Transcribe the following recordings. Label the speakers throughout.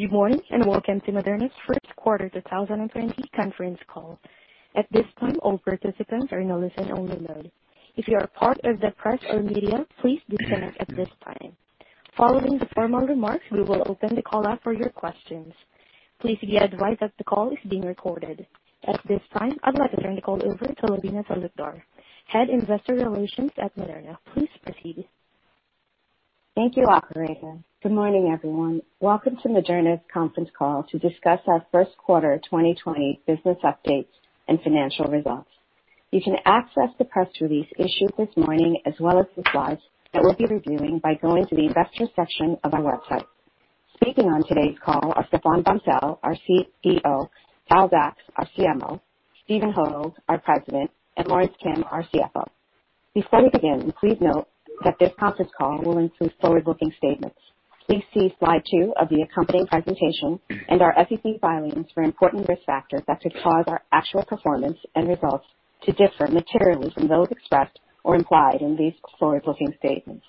Speaker 1: Good morning, and welcome to Moderna's First Quarter 2020 Conference Call. At this time, all participants are in listen only mode. If you are part of the press or media, please disconnect at this time. Following the formal remarks, we will open the call up for your questions. Please be advised that the call is being recorded. At this time, I'd like to turn the call over to Lavina Talukdar, Head Investor Relations at Moderna. Please proceed.
Speaker 2: Thank you, operator. Good morning, everyone. Welcome to Moderna's conference call to discuss our first quarter 2020 business updates and financial results. You can access the press release issued this morning, as well as the slides that we'll be reviewing by going to the Investor section of our website. Speaking on today's call are Stéphane Bancel, our CEO, Tal Zaks, our CMO, Stephen Hoge, our president, and Lorence Kim, our CFO. Before we begin, please note that this conference call will include forward-looking statements. Please see slide two of the accompanying presentation and our SEC filings for important risk factors that could cause our actual performance and results to differ materially from those expressed or implied in these forward-looking statements.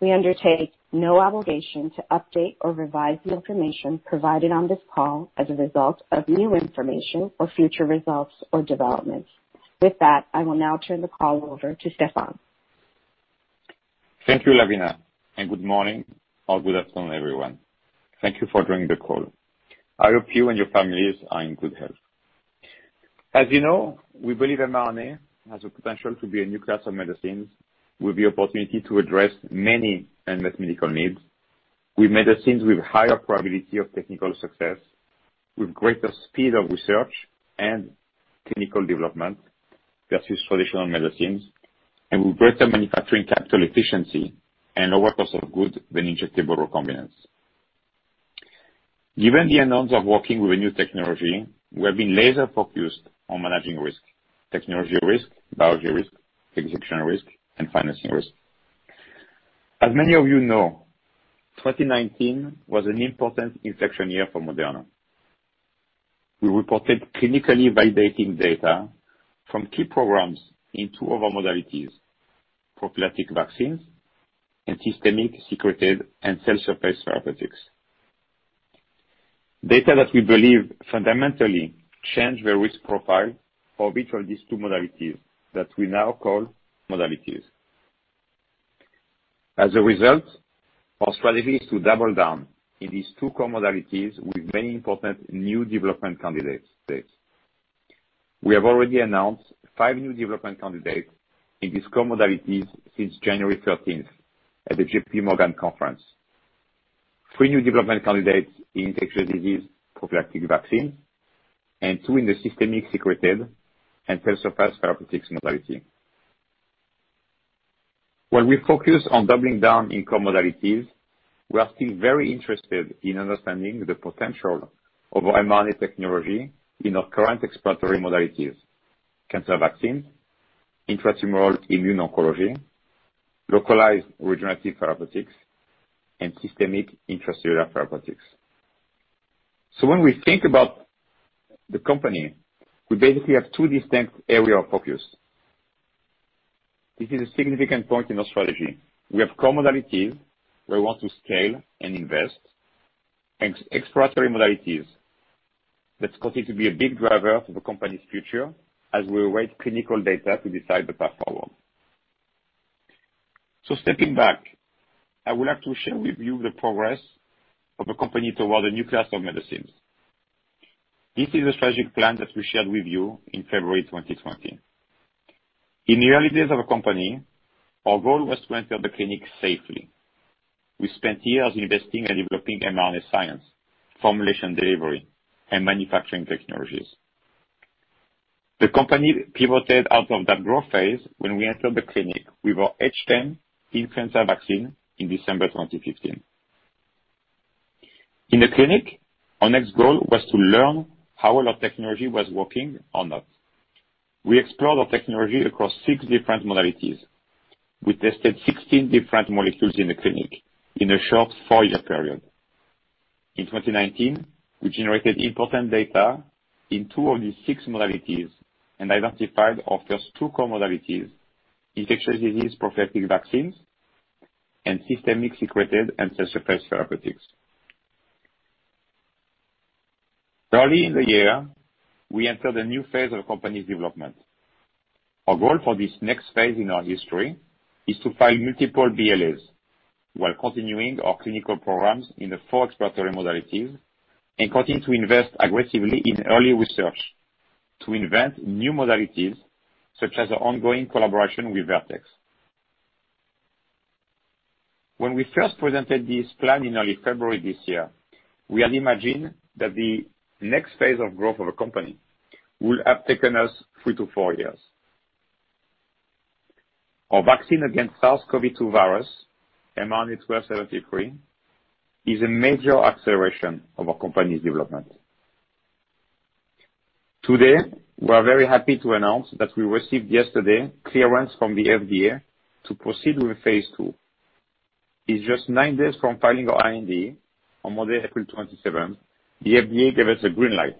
Speaker 2: We undertake no obligation to update or revise the information provided on this call as a result of new information or future results or developments. With that, I will now turn the call over to Stéphane.
Speaker 3: Thank you, Lavina. Good morning or good afternoon, everyone. Thank you for joining the call. I hope you and your families are in good health. As you know, we believe mRNA has the potential to be a new class of medicines with the opportunity to address many unmet medical needs. With medicines with higher probability of technical success, with greater speed of research and technical development versus traditional medicines, and with greater manufacturing capital efficiency and lower cost of goods than injectable recombinants. Given the unknowns of working with a new technology, we have been laser focused on managing risk, technology risk, biology risk, execution risk, and financing risk. As many of you know, 2019 was an important inflection year for Moderna. We reported clinically validating data from key programs in two of our modalities, prophylactic vaccines and systemic secreted and cell surface therapeutics. Data that we believe fundamentally change the risk profile for each of these two modalities that we now call modalities. Our strategy is to double down in these two core modalities with many important new development candidates. We have already announced five new development candidates in these core modalities since January 13th at the JPMorgan conference. Three new development candidates in infectious disease prophylactic vaccine, two in the systemic secreted and cell surface therapeutics modality. While we focus on doubling down in core modalities, we are still very interested in understanding the potential of our mRNA technology in our current exploratory modalities: cancer vaccine, intratumoral immune oncology, localized regenerative therapeutics, and systemic intracellular therapeutics. When we think about the company, we basically have two distinct areas of focus. This is a significant point in our strategy. We have core modalities where we want to scale and invest, and exploratory modalities that's going to be a big driver for the company's future as we await clinical data to decide the path forward. Stepping back, I would like to share with you the progress of a company toward a new class of medicines. This is a strategic plan that we shared with you in February 2020. In the early days of our company, our goal was to enter the clinic safely. We spent years investing and developing mRNA science, formulation delivery, and manufacturing technologies. The company pivoted out of that growth phase when we entered the clinic with our H10 influenza vaccine in December 2015. In the clinic, our next goal was to learn how well our technology was working or not. We explored our technology across six different modalities. We tested 16 different molecules in the clinic in a short four-year period. In 2019, we generated important data in two of these six modalities and identified our first two core modalities, infectious disease prophylactic vaccines and systemic secreted and cell surface therapeutics. Early in the year, we entered a new phase of company development. Our goal for this next phase in our history is to file multiple BLAs while continuing our clinical programs in the four exploratory modalities and continue to invest aggressively in early research to invent new modalities such as our ongoing collaboration with Vertex. When we first presented this plan in early February this year, we had imagined that the next phase of growth of a company would have taken us three to four years. Our vaccine against SARS-CoV-2 virus, mRNA-1273, is a major acceleration of our company's development. Today, we are very happy to announce that we received yesterday clearance from the FDA to proceed with phase II. It's just nine days from filing our IND on April 27th. The FDA gave us a green light.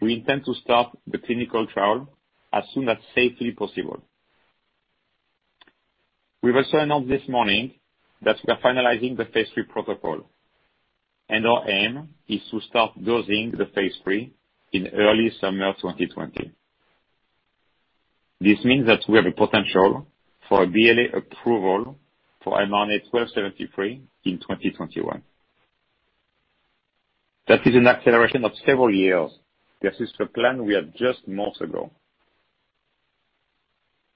Speaker 3: We intend to start the clinical trial as soon as safely possible. We will sign off this morning that we are finalizing the phase III protocol. Our aim is to start dosing the phase III in early summer 2020. This means that we have a potential for a BLA approval for mRNA-1273 in 2021. That is an acceleration of several years versus the plan we had just months ago.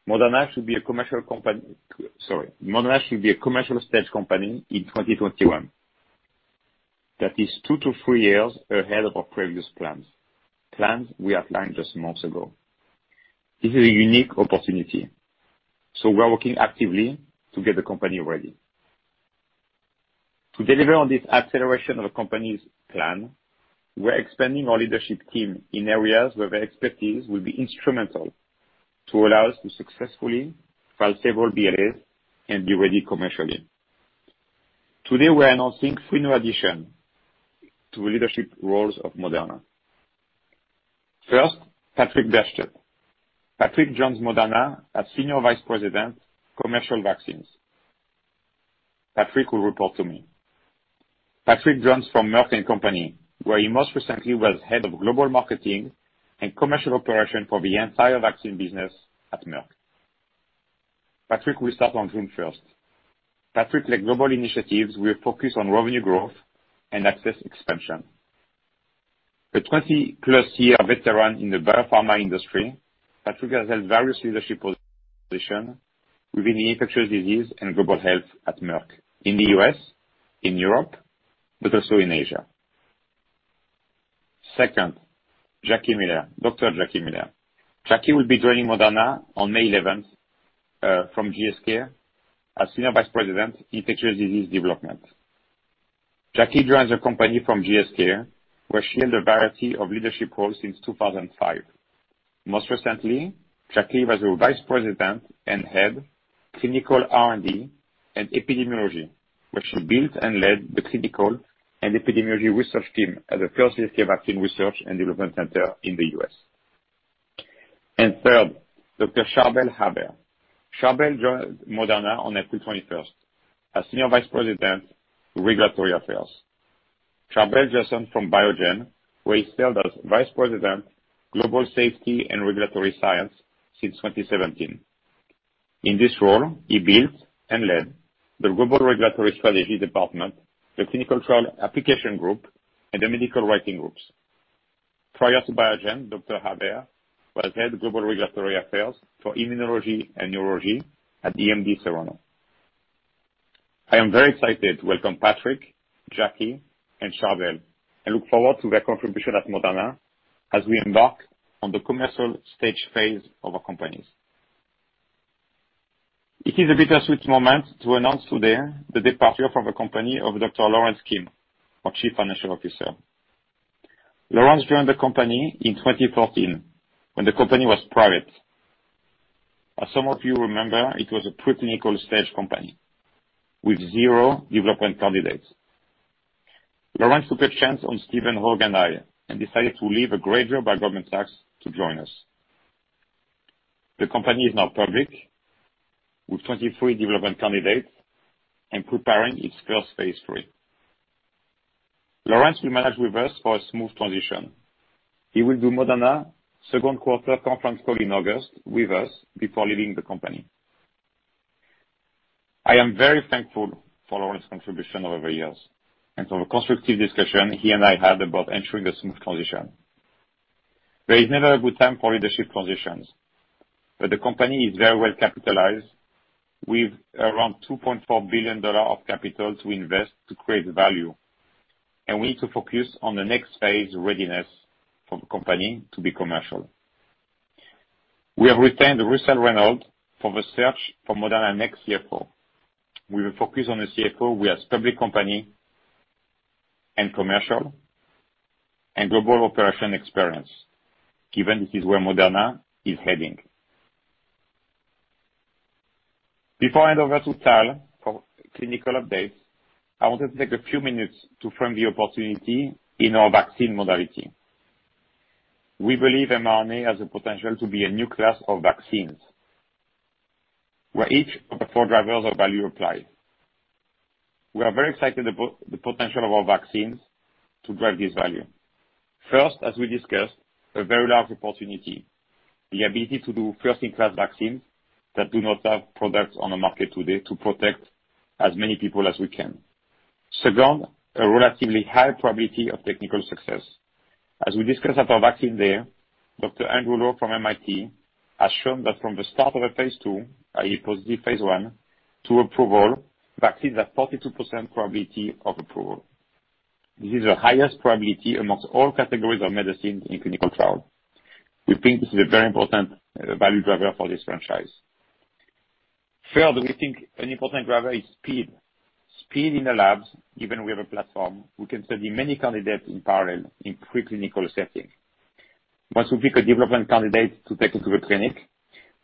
Speaker 3: Moderna should be a commercial stage company in 2021. That is two to three years ahead of our previous plans we outlined just months ago. This is a unique opportunity. We are working actively to get the company ready. To deliver on this acceleration of the company's plan, we are expanding our leadership team in areas where their expertise will be instrumental to allow us to successfully file several BLAs and be ready commercially. Today, we're announcing three new additions to leadership roles of Moderna. First, Patrick Bergstedt. Patrick joins Moderna as Senior Vice President, Commercial Vaccines. Patrick will report to me. Patrick joins from Merck & Company, where he most recently was Head of Global Marketing and Commercial Operation for the entire vaccine business at Merck. Patrick will start on June 1st. Patrick leads global initiatives. We are focused on revenue growth and access expansion. A 20+ year veteran in the biopharma industry, Patrick has held various leadership positions within infectious disease and global health at Merck in the U.S., in Europe, but also in Asia. Second, Jackie Miller. Dr. Jackie Miller. Jackie will be joining Moderna on May 11th from GSK as Senior Vice President, Infectious Disease Development. Jackie joins the company from GSK, where she held a variety of leadership roles since 2005. Most recently, Jackie was the Vice President and Head, Clinical R&D and Epidemiology, where she built and led the clinical and epidemiology research team at the first GSK vaccine research and development center in the U.S. Third, Dr. Charbel Haber. Charbel joined Moderna on April 21st as Senior Vice President, Regulatory Affairs. Charbel joins us from Biogen, where he served as Vice President, Global Safety and Regulatory Science since 2017. In this role, he built and led the Global Regulatory Strategy Department, the Clinical Trial Application Group, and the Medical Writing Groups. Prior to Biogen, Dr. Haber was Head of Global Regulatory Affairs for Immunology and Neurology at EMD Serono. I am very excited to welcome Patrick, Jackie, and Charbel, and look forward to their contribution at Moderna as we embark on the commercial stage phase of our companies. It is a bittersweet moment to announce today the departure from the company of Dr. Lorence Kim, our Chief Financial Officer. Lorence joined the company in 2014 when the company was private. As some of you remember, it was a pre-clinical stage company with zero development candidates. Lorence took a chance on Stephen Hoge and me, decided to leave a great job at Goldman Sachs to join us. The company is now public, with 23 development candidates and preparing its first phase III. Lorence will manage with us for a smooth transition. He will do Moderna second quarter conference call in August with us before leaving the company. I am very thankful for Lorence's contribution over the years and for the constructive discussion he and I had about ensuring a smooth transition. There is never a good time for leadership transitions, but the company is very well capitalized with around $2.4 billion of capital to invest to create value, and we need to focus on the next phase readiness for the company to be commercial. We have retained Russell Reynolds for the search for Moderna next CFO. We will focus on a CFO who has public company and commercial and global operation experience, given this is where Moderna is heading. Before I hand over to Tal for clinical updates, I wanted to take a few minutes to frame the opportunity in our vaccine modality. We believe mRNA has the potential to be a new class of vaccines, where each of the four drivers of value apply. We are very excited about the potential of our vaccines to drive this value. First, as we discussed, a very large opportunity, the ability to do first-in-class vaccines that do not have products on the market today to protect as many people as we can. Second, a relatively high probability of technical success. As we discussed at our vaccine day, Dr. Andrew Lo from MIT has shown that from the start of a phase II, i.e., positive phase I, to approval, vaccines have 42% probability of approval. This is the highest probability amongst all categories of medicines in clinical trial. We think this is a very important value driver for this franchise. Third, we think an important driver is speed. Speed in the labs. Given we have a platform, we can study many candidates in parallel in pre-clinical setting. Once we pick a development candidate to take it to a clinic,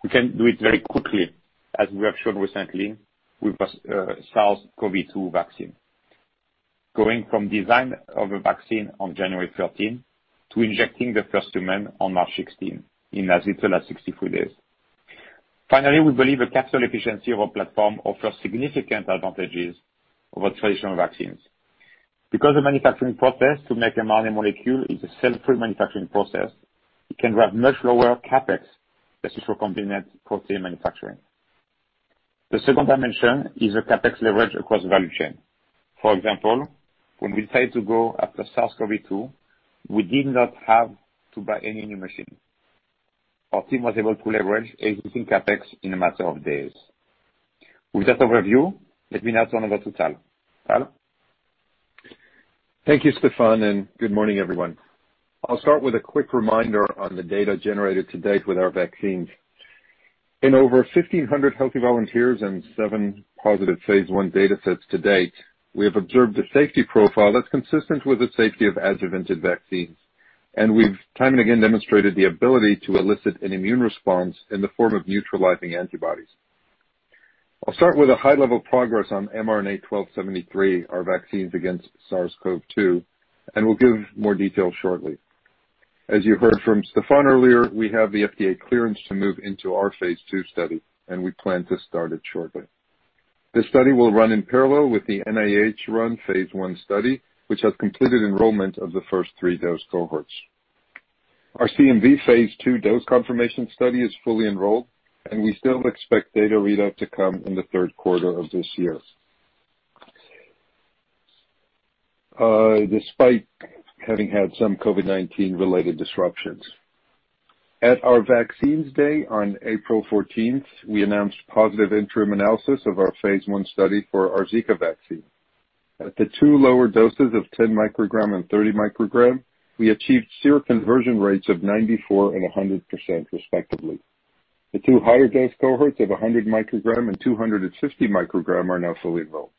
Speaker 3: we can do it very quickly, as we have shown recently with SARS-CoV-2 vaccine. Going from design of a vaccine on January 13th to injecting the first human on March 16th, in as little as 63 days. Finally, we believe the capital efficiency of our platform offers significant advantages over traditional vaccines. Because the manufacturing process to make an RNA molecule is a cell-free manufacturing process, it can have much lower CapEx than traditional recombinant protein manufacturing. The second dimension is the CapEx leverage across the value chain. For example, when we decided to go after SARS-CoV-2, we did not have to buy any new machine. Our team was able to leverage existing CapEx in a matter of days. With that overview, let me now turn over to Tal. Tal?
Speaker 4: Thank you, Stéphane, and good morning, everyone. I'll start with a quick reminder on the data generated to date with our vaccines. In over 1,500 healthy volunteers and seven positive phase I data sets to date, we have observed a safety profile that's consistent with the safety of adjuvanted vaccines, and we've time and again demonstrated the ability to elicit an immune response in the form of neutralizing antibodies. I'll start with a high level progress on mRNA-1273, our vaccines against SARS-CoV-2, and will give more detail shortly. As you heard from Stéphane earlier, we have the FDA clearance to move into our phase II study, and we plan to start it shortly. This study will run in parallel with the NIH-run phase I study, which has completed enrollment of the first three dose cohorts. Our CMV phase II dose confirmation study is fully enrolled, and we still expect data readout to come in the third quarter of this year despite having had some COVID-19 related disruptions. At our Vaccines Day on April 14th, we announced positive interim analysis of our phase I study for our Zika vaccine. At the two lower doses of 10 mcg and 30 mcg, we achieved seroconversion rates of 94% and 100%, respectively. The two higher dose cohorts of 100 mcg and 250 mcg are now fully enrolled.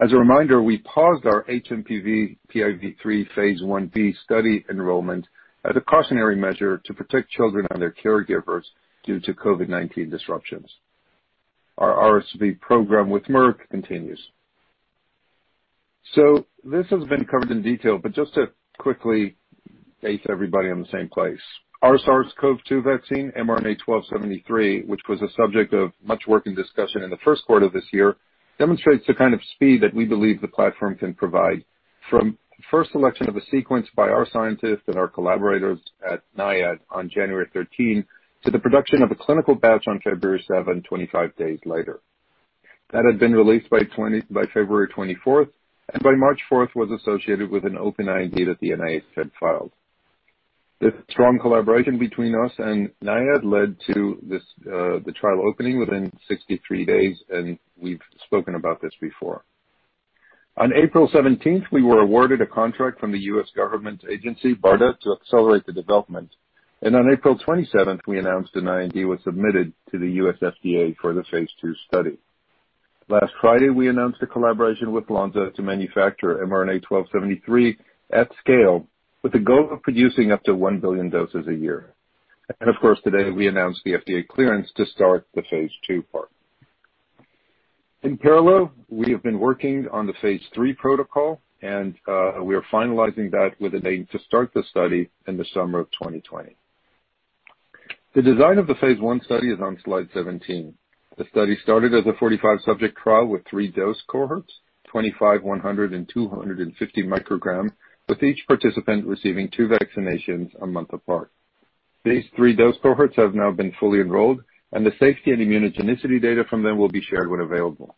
Speaker 4: As a reminder, we paused our hMPV+PIV3 phase I-B study enrollment as a cautionary measure to protect children and their caregivers due to COVID-19 disruptions. Our RSV program with Merck continues. This has been covered in detail, but just to quickly base everybody on the same place. Our SARS-CoV-2 vaccine, mRNA-1273, which was a subject of much work and discussion in the first quarter of this year, demonstrates the kind of speed that we believe the platform can provide. From first selection of a sequence by our scientists and our collaborators at NIAID on January 13, to the production of a clinical batch on February 7, 25 days later. That had been released by February 24th, and by March 4th was associated with an open IND that the NIH had filed. The strong collaboration between us and NIAID led to the trial opening within 63 days, and we've spoken about this before. On April 17th, we were awarded a contract from the U.S. government agency, BARDA, to accelerate the development. On April 27th, we announced an IND was submitted to the U.S. FDA for the phase II study. Last Friday, we announced a collaboration with Lonza to manufacture mRNA-1273 at scale with the goal of producing up to one billion doses a year. Of course, today we announced the FDA clearance to start the phase II part. In parallel, we have been working on the phase III protocol, and we are finalizing that with a date to start the study in the summer of 2020. The design of the phase I study is on slide 17. The study started as a 45-subject trial with three dose cohorts, 25 mcg, 100 mcg, and 250 mcg, with each participant receiving two vaccinations a month apart. These three dose cohorts have now been fully enrolled, and the safety and immunogenicity data from them will be shared when available.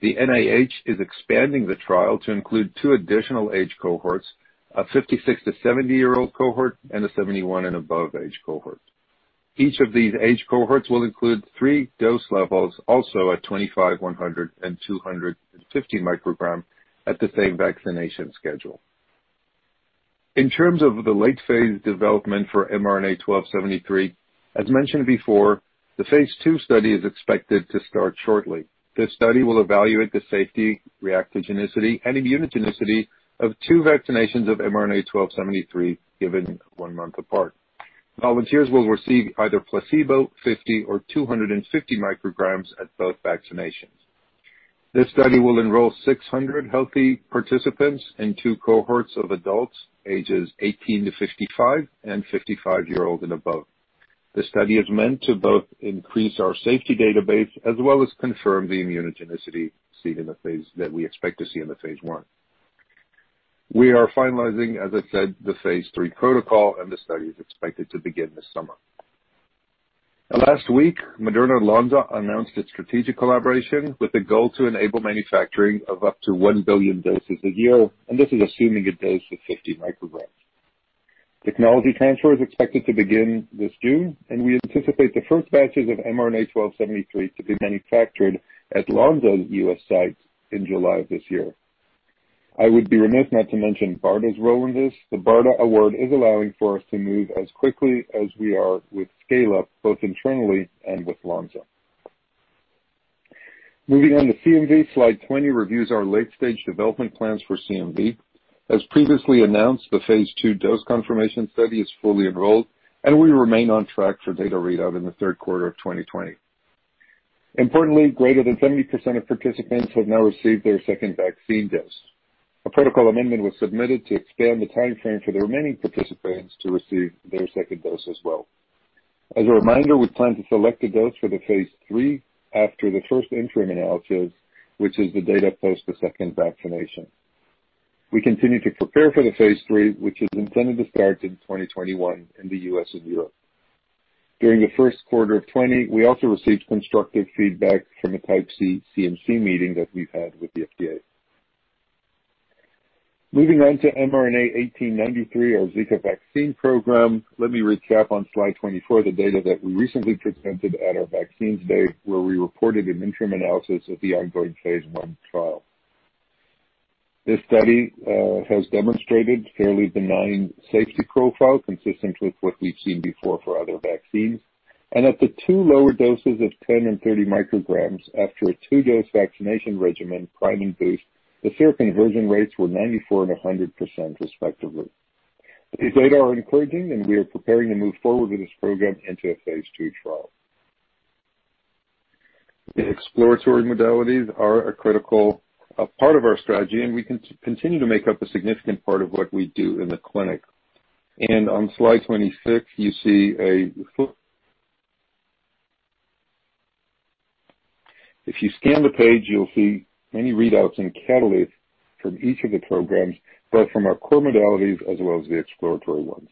Speaker 4: The NIH is expanding the trial to include two additional age cohorts, a 56 to 70-year-old cohort, and a 71 and above age cohort. Each of these age cohorts will include three dose levels, also at 25 mcg, 100 mcg, and 250 mcg at the same vaccination schedule. In terms of the late phase development for mRNA-1273, as mentioned before, the phase II study is expected to start shortly. This study will evaluate the safety, reactogenicity, and immunogenicity of two vaccinations of mRNA-1273 given one month apart. Volunteers will receive either placebo 50 mcg or 250 mcg at both vaccinations. This study will enroll 600 healthy participants in two cohorts of adults ages 18 to 55, and 55-year-old and above. This study is meant to both increase our safety database as well as confirm the immunogenicity that we expect to see in the phase I. We are finalizing, as I said, the phase III protocol, and the study is expected to begin this summer. Last week, Moderna Lonza announced its strategic collaboration with the goal to enable manufacturing of up to one billion doses a year, and this is assuming a dose of 50 mcg. Technology transfer is expected to begin this June, and we anticipate the first batches of mRNA-1273 to be manufactured at Lonza's U.S. sites in July of this year. I would be remiss not to mention BARDA's role in this. The BARDA award is allowing for us to move as quickly as we are with scale-up, both internally and with Lonza. Moving on to CMV. Slide 20 reviews our late-stage development plans for CMV. As previously announced, the phase II dose confirmation study is fully enrolled, and we remain on track for data readout in the third quarter of 2020. Importantly, greater than 70% of participants have now received their second vaccine dose. A protocol amendment was submitted to extend the timeframe for the remaining participants to receive their second dose as well. As a reminder, we plan to select a dose for the phase III after the first interim analysis, which is the data post the second vaccination. We continue to prepare for the phase III, which is intended to start in 2021 in the U.S. and Europe. During the first quarter of 2020, we also received constructive feedback from a type C CMC meeting that we've had with the FDA. Moving on to mRNA-1893, our Zika vaccine program, let me recap on slide 24 the data that we recently presented at our Vaccines Day, where we reported an interim analysis of the ongoing phase I trial. This study has demonstrated fairly benign safety profile consistent with what we've seen before for other vaccines, and at the two lower doses of 10 mcg and 30 mcg after a two-dose vaccination regimen priming boost, the seroconversion rates were 94% and 100% respectively. The data are encouraging, and we are preparing to move forward with this program into a phase II trial. The exploratory modalities are a critical part of our strategy, and we continue to make up a significant part of what we do in the clinic. On slide 26, you see a full. If you scan the page, you'll see many readouts and catalysts from each of the programs, both from our core modalities as well as the exploratory ones.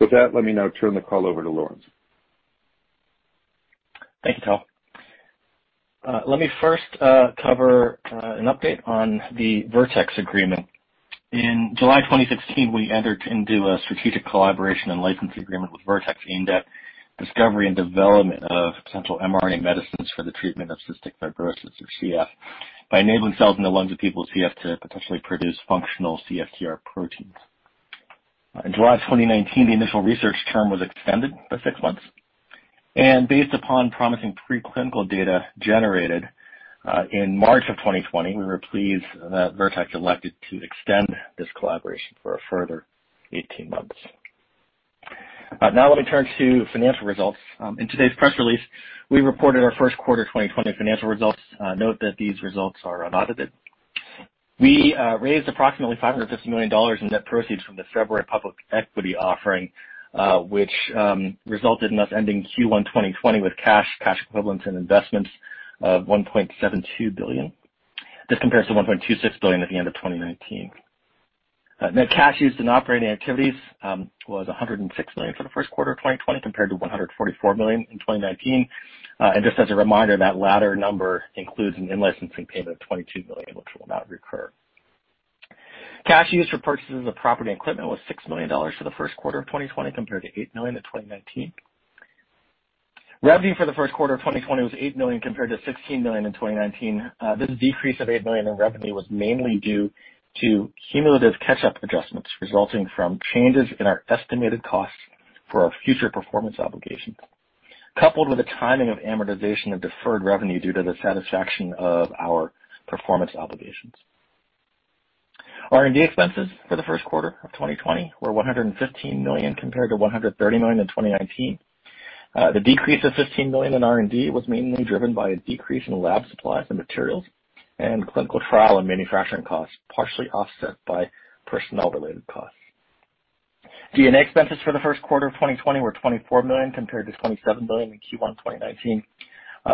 Speaker 4: With that, let me now turn the call over to Lorence.
Speaker 5: Thank you, Tal. Let me first cover an update on the Vertex agreement. In July 2016, we entered into a strategic collaboration and licensing agreement with Vertex aimed at discovery and development of potential mRNA medicines for the treatment of cystic fibrosis, or CF, by enabling cells in the lungs of people with CF to potentially produce functional CFTR proteins. In July 2019, the initial research term was extended by six months, and based upon promising preclinical data generated in March of 2020, we were pleased that Vertex elected to extend this collaboration for a further 18 months. Now let me turn to financial results. In today's press release, we reported our first quarter 2020 financial results. Note that these results are unaudited. We raised approximately $550 million in net proceeds from the February public equity offering, which resulted in us ending Q1 2020 with cash equivalents, and investments of $1.72 billion. This compares to $1.26 billion at the end of 2019. Net cash used in operating activities was $106 million for the first quarter of 2020 compared to $144 million in 2019. just as a reminder, that latter number includes an in-licensing payment of $22 million, which will not recur. Cash used for purchases of property and equipment was $6 million for the first quarter of 2020, compared to $8 million in 2019. Revenue for the first quarter of 2020 was $8 million, compared to $16 million in 2019. This decrease of $8 million in revenue was mainly due to cumulative catch-up adjustments resulting from changes in our estimated costs for our future performance obligations, coupled with the timing of amortization of deferred revenue due to the satisfaction of our performance obligations. R&D expenses for the first quarter of 2020 were $115 million, compared to $130 million in 2019. The decrease of $15 million in R&D was mainly driven by a decrease in lab supplies and materials and clinical trial and manufacturing costs, partially offset by personnel-related costs. G&A expenses for the first quarter of 2020 were $24 million, compared to $27 million in Q1 2019.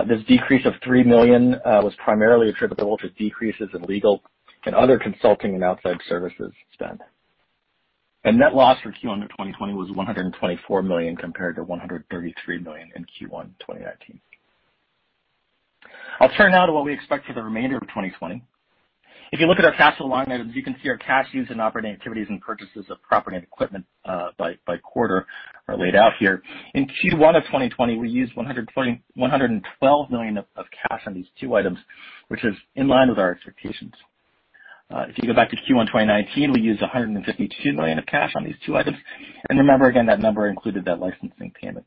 Speaker 5: This decrease of $3 million was primarily attributable to decreases in legal and other consulting and outside services spend. The net loss for Q1 of 2020 was $124 million, compared to $133 million in Q1 2019. I'll turn now to what we expect for the remainder of 2020. If you look at our cash flow line items, you can see our cash used in operating activities and purchases of property and equipment by quarter are laid out here. In Q1 of 2020, we used $112 million of cash on these two items, which is in line with our expectations. If you go back to Q1 2019, we used $152 million of cash on these two items. Remember again, that number included that licensing payment.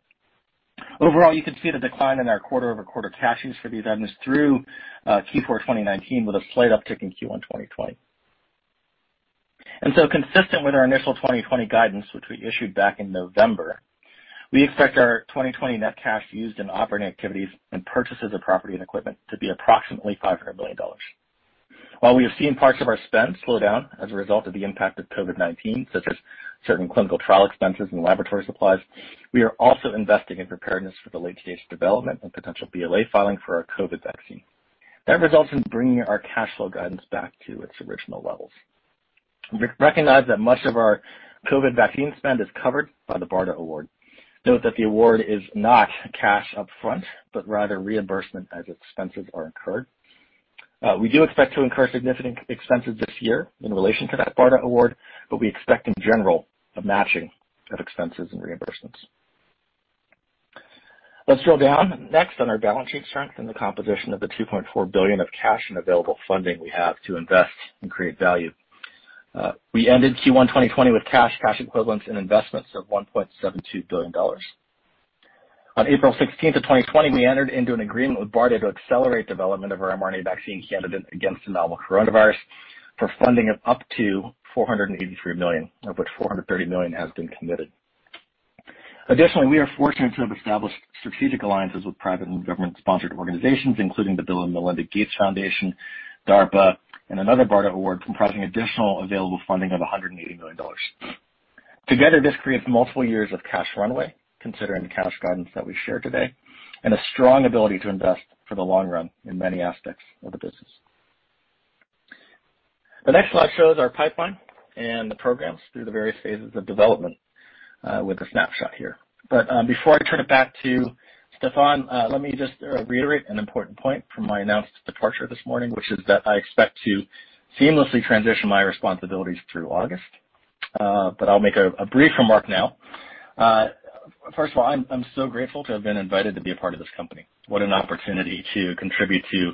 Speaker 5: Overall, you can see the decline in our quarter-over-quarter cash use for these items through Q4 2019 with a slight uptick in Q1 2020. Consistent with our initial 2020 guidance, which we issued back in November, we expect our 2020 net cash used in operating activities and purchases of property and equipment to be approximately $500 million. While we have seen parts of our spend slow down as a result of the impact of COVID-19, such as certain clinical trial expenses and laboratory supplies, we are also investing in preparedness for the late-stage development and potential BLA filing for our COVID vaccine. That results in bringing our cash flow guidance back to its original levels. We recognize that much of our COVID vaccine spend is covered by the BARDA award. Note that the award is not cash upfront, but rather reimbursement as expenses are incurred. We do expect to incur significant expenses this year in relation to that BARDA award, but we expect in general a matching of expenses and reimbursements. Let's drill down next on our balance sheet strength and the composition of the $2.4 billion of cash and available funding we have to invest and create value. We ended Q1 2020 with cash equivalents, and investments of $1.72 billion. On April 16th of 2020, we entered into an agreement with BARDA to accelerate development of our mRNA vaccine candidate against the novel coronavirus for funding of up to $483 million, of which $430 million has been committed. Additionally, we are fortunate to have established strategic alliances with private and government-sponsored organizations, including the Bill & Melinda Gates Foundation, DARPA and another BARDA award comprising additional available funding of $180 million. Together, this creates multiple years of cash runway, considering the cash guidance that we shared today, and a strong ability to invest for the long run in many aspects of the business. The next slide shows our pipeline and the programs through the various phases of development with a snapshot here. Before I turn it back to Stéphane, let me just reiterate an important point from my announcement departure this morning, which is that I expect to seamlessly transition my responsibilities through August. I'll make a brief remark now. First of all, I'm so grateful to have been invited to be a part of this company. What an opportunity to contribute to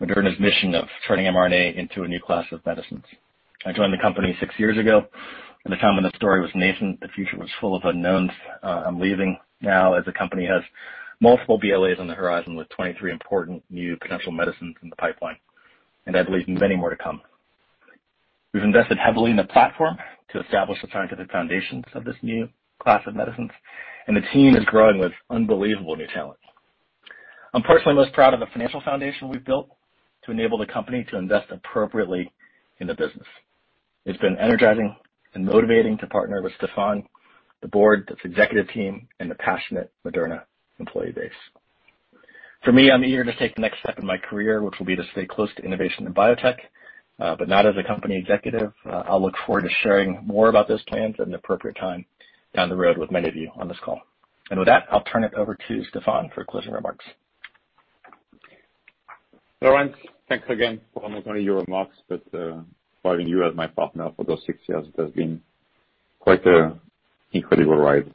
Speaker 5: Moderna's mission of turning mRNA into a new class of medicines. I joined the company six years ago, at the time when the story was nascent, the future was full of unknowns. I'm leaving now as the company has multiple BLAs on the horizon, with 23 important new potential medicines in the pipeline, and I believe many more to come. We've invested heavily in the platform to establish the scientific foundations of this new class of medicines, and the team is growing with unbelievable new talent. I'm personally most proud of the financial foundation we've built to enable the company to invest appropriately in the business. It's been energizing and motivating to partner with Stéphane, the board, this executive team, and the passionate Moderna employee base. For me, I'm eager to take the next step in my career, which will be to stay close to innovation and biotech, but not as a company executive. I'll look forward to sharing more about those plans at an appropriate time down the road with many of you on this call. With that, I'll turn it over to Stéphane for closing remarks.
Speaker 3: Lorence, thanks again for not only your remarks, but having you as my partner for those six years, it has been quite a incredible ride.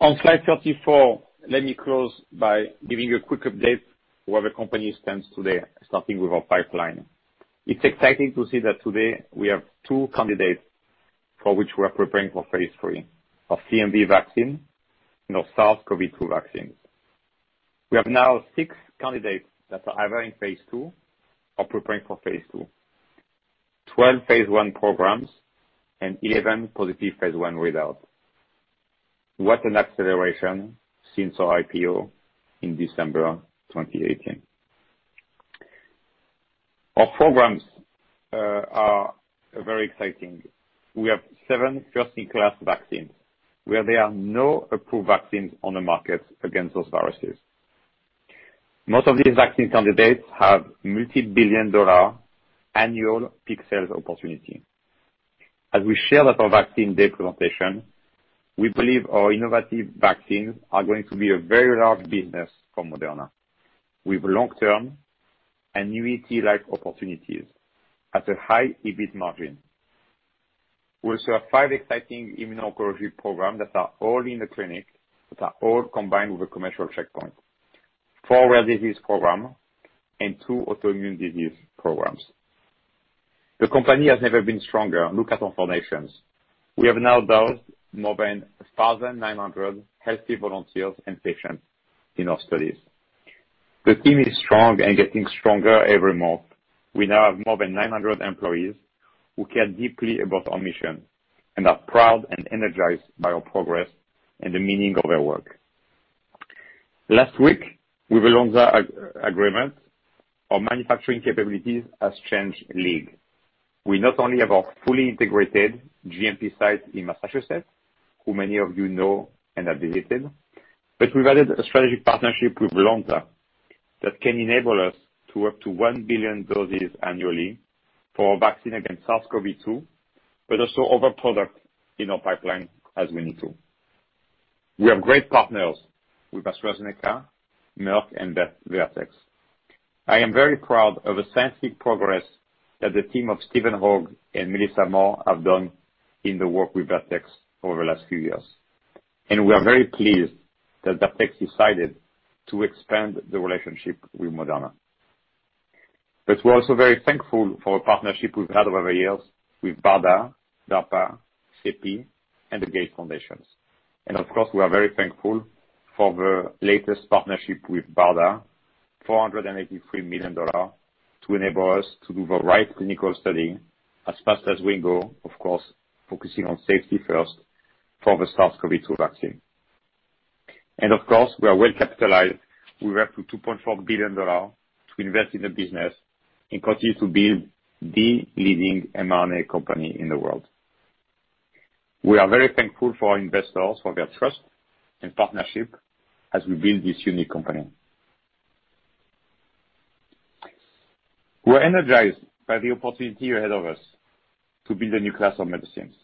Speaker 3: On slide 34, let me close by giving you a quick update where the company stands today, starting with our pipeline. It's exciting to see that today we have two candidates for which we are preparing for phase III: our CMV vaccine and our SARS-CoV-2 vaccines. We have now six candidates that are either in phase II or preparing for phase II. 12 phase I programs and 11 positive phase I readouts. What an acceleration since our IPO in December 2018. Our programs are very exciting. We have seven first-in-class vaccines, where there are no approved vaccines on the market against those viruses. Most of these vaccine candidates have multi-billion dollar annual peak sales opportunity. As we shared at our vaccine day presentation, we believe our innovative vaccines are going to be a very large business for Moderna, with long-term annuity-like opportunities at a high EBIT margin. We also have five exciting immuno-oncology programs that are all in the clinic, that are all combined with a commercial checkpoint. Four rare disease program and two autoimmune disease programs. The company has never been stronger. Look at our foundations. We have now dosed more than 1,900 healthy volunteers and patients in our studies. The team is strong and getting stronger every month. We now have more than 900 employees who care deeply about our mission and are proud and energized by our progress and the meaning of their work. Last week, with the Lonza agreement, our manufacturing capabilities has changed league. We not only have our fully integrated GMP site in Massachusetts, who many of you know and have visited, but we've added a strategic partnership with Lonza that can enable us to up to one billion doses annually for our vaccine against SARS-CoV-2, but also other product in our pipeline as we need to. We have great partners with AstraZeneca, Merck, and Vertex. I am very proud of the scientific progress that the team of Stephen Hoge and Melissa Moore have done in the work with Vertex over the last few years, and we are very pleased that Vertex decided to expand the relationship with Moderna. We're also very thankful for our partnership we've had over the years with BARDA, DARPA, CEPI, and the Gates Foundation. Of course, we are very thankful for the latest partnership with BARDA, $483 million, to enable us to do the right clinical study as fast as we can, of course, focusing on safety first for the SARS-CoV-2 vaccine. Of course, we are well capitalized with up to $2.4 billion to invest in the business and continue to be the leading mRNA company in the world. We are very thankful for our investors, for their trust and partnership as we build this unique company. We're energized by the opportunity ahead of us to build a new class of medicines.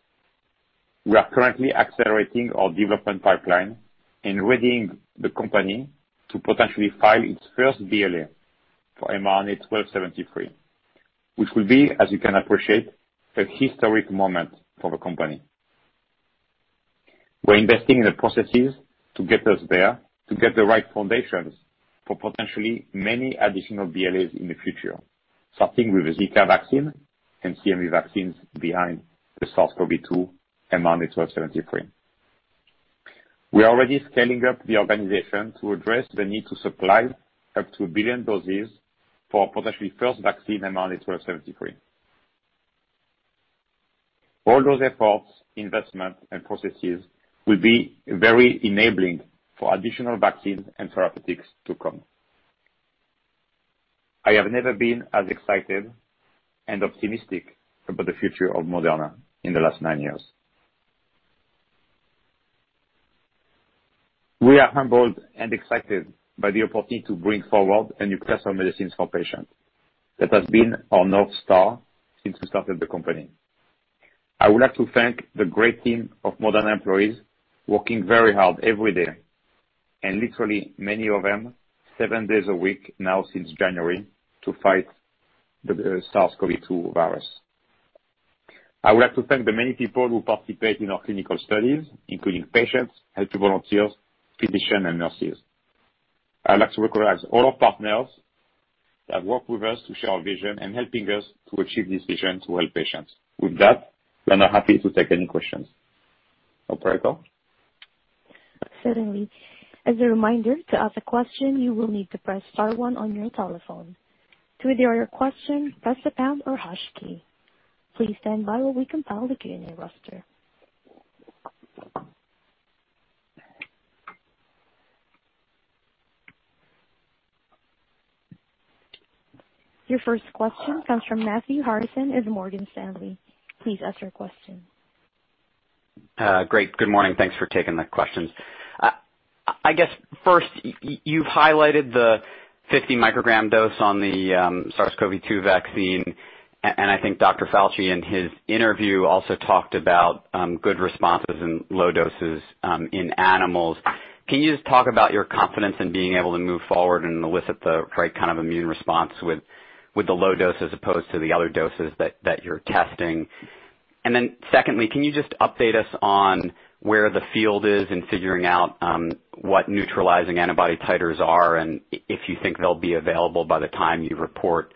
Speaker 3: We are currently accelerating our development pipeline and readying the company to potentially file its first BLA for mRNA-1273, which will be, as you can appreciate, a historic moment for the company. We're investing in the processes to get us there, to get the right foundations for potentially many additional BLAs in the future, starting with the Zika vaccine and CMV vaccines behind the SARS-CoV-2 mRNA-1273. We are already scaling up the organization to address the need to supply up to a billion doses for potentially first vaccine mRNA-1273. All those efforts, investments, and processes will be very enabling for additional vaccines and therapeutics to come. I have never been as excited and optimistic about the future of Moderna in the last nine years. We are humbled and excited by the opportunity to bring forward a new class of medicines for patients. That has been our North Star since we started the company. I would like to thank the great team of Moderna employees working very hard every day, and literally many of them seven days a week now since January, to fight the SARS-CoV-2 virus. I would like to thank the many people who participate in our clinical studies, including patients, healthy volunteers, physicians, and nurses. I'd like to recognize all our partners that work with us to share our vision and helping us to achieve this vision to help patients. With that, we're now happy to take any questions. Operator?
Speaker 1: Certainly. As a reminder, to ask a question, you will need to press star one on your telephone. To withdraw your question, press the pound or hash key. Please stand by while we compile the Q&A roster. Your first question comes from Matthew Harrison of Morgan Stanley. Please ask your question.
Speaker 6: Great. Good morning. Thanks for taking the questions. I guess, first, you've highlighted the 50 mcg dose on the SARS-CoV-2 vaccine. I think Dr. Fauci in his interview also talked about good responses in low doses in animals. Can you just talk about your confidence in being able to move forward and elicit the right kind of immune response with the low dose as opposed to the other doses that you're testing? Secondly, can you just update us on where the field is in figuring out what neutralizing antibody titers are, and if you think they'll be available by the time you report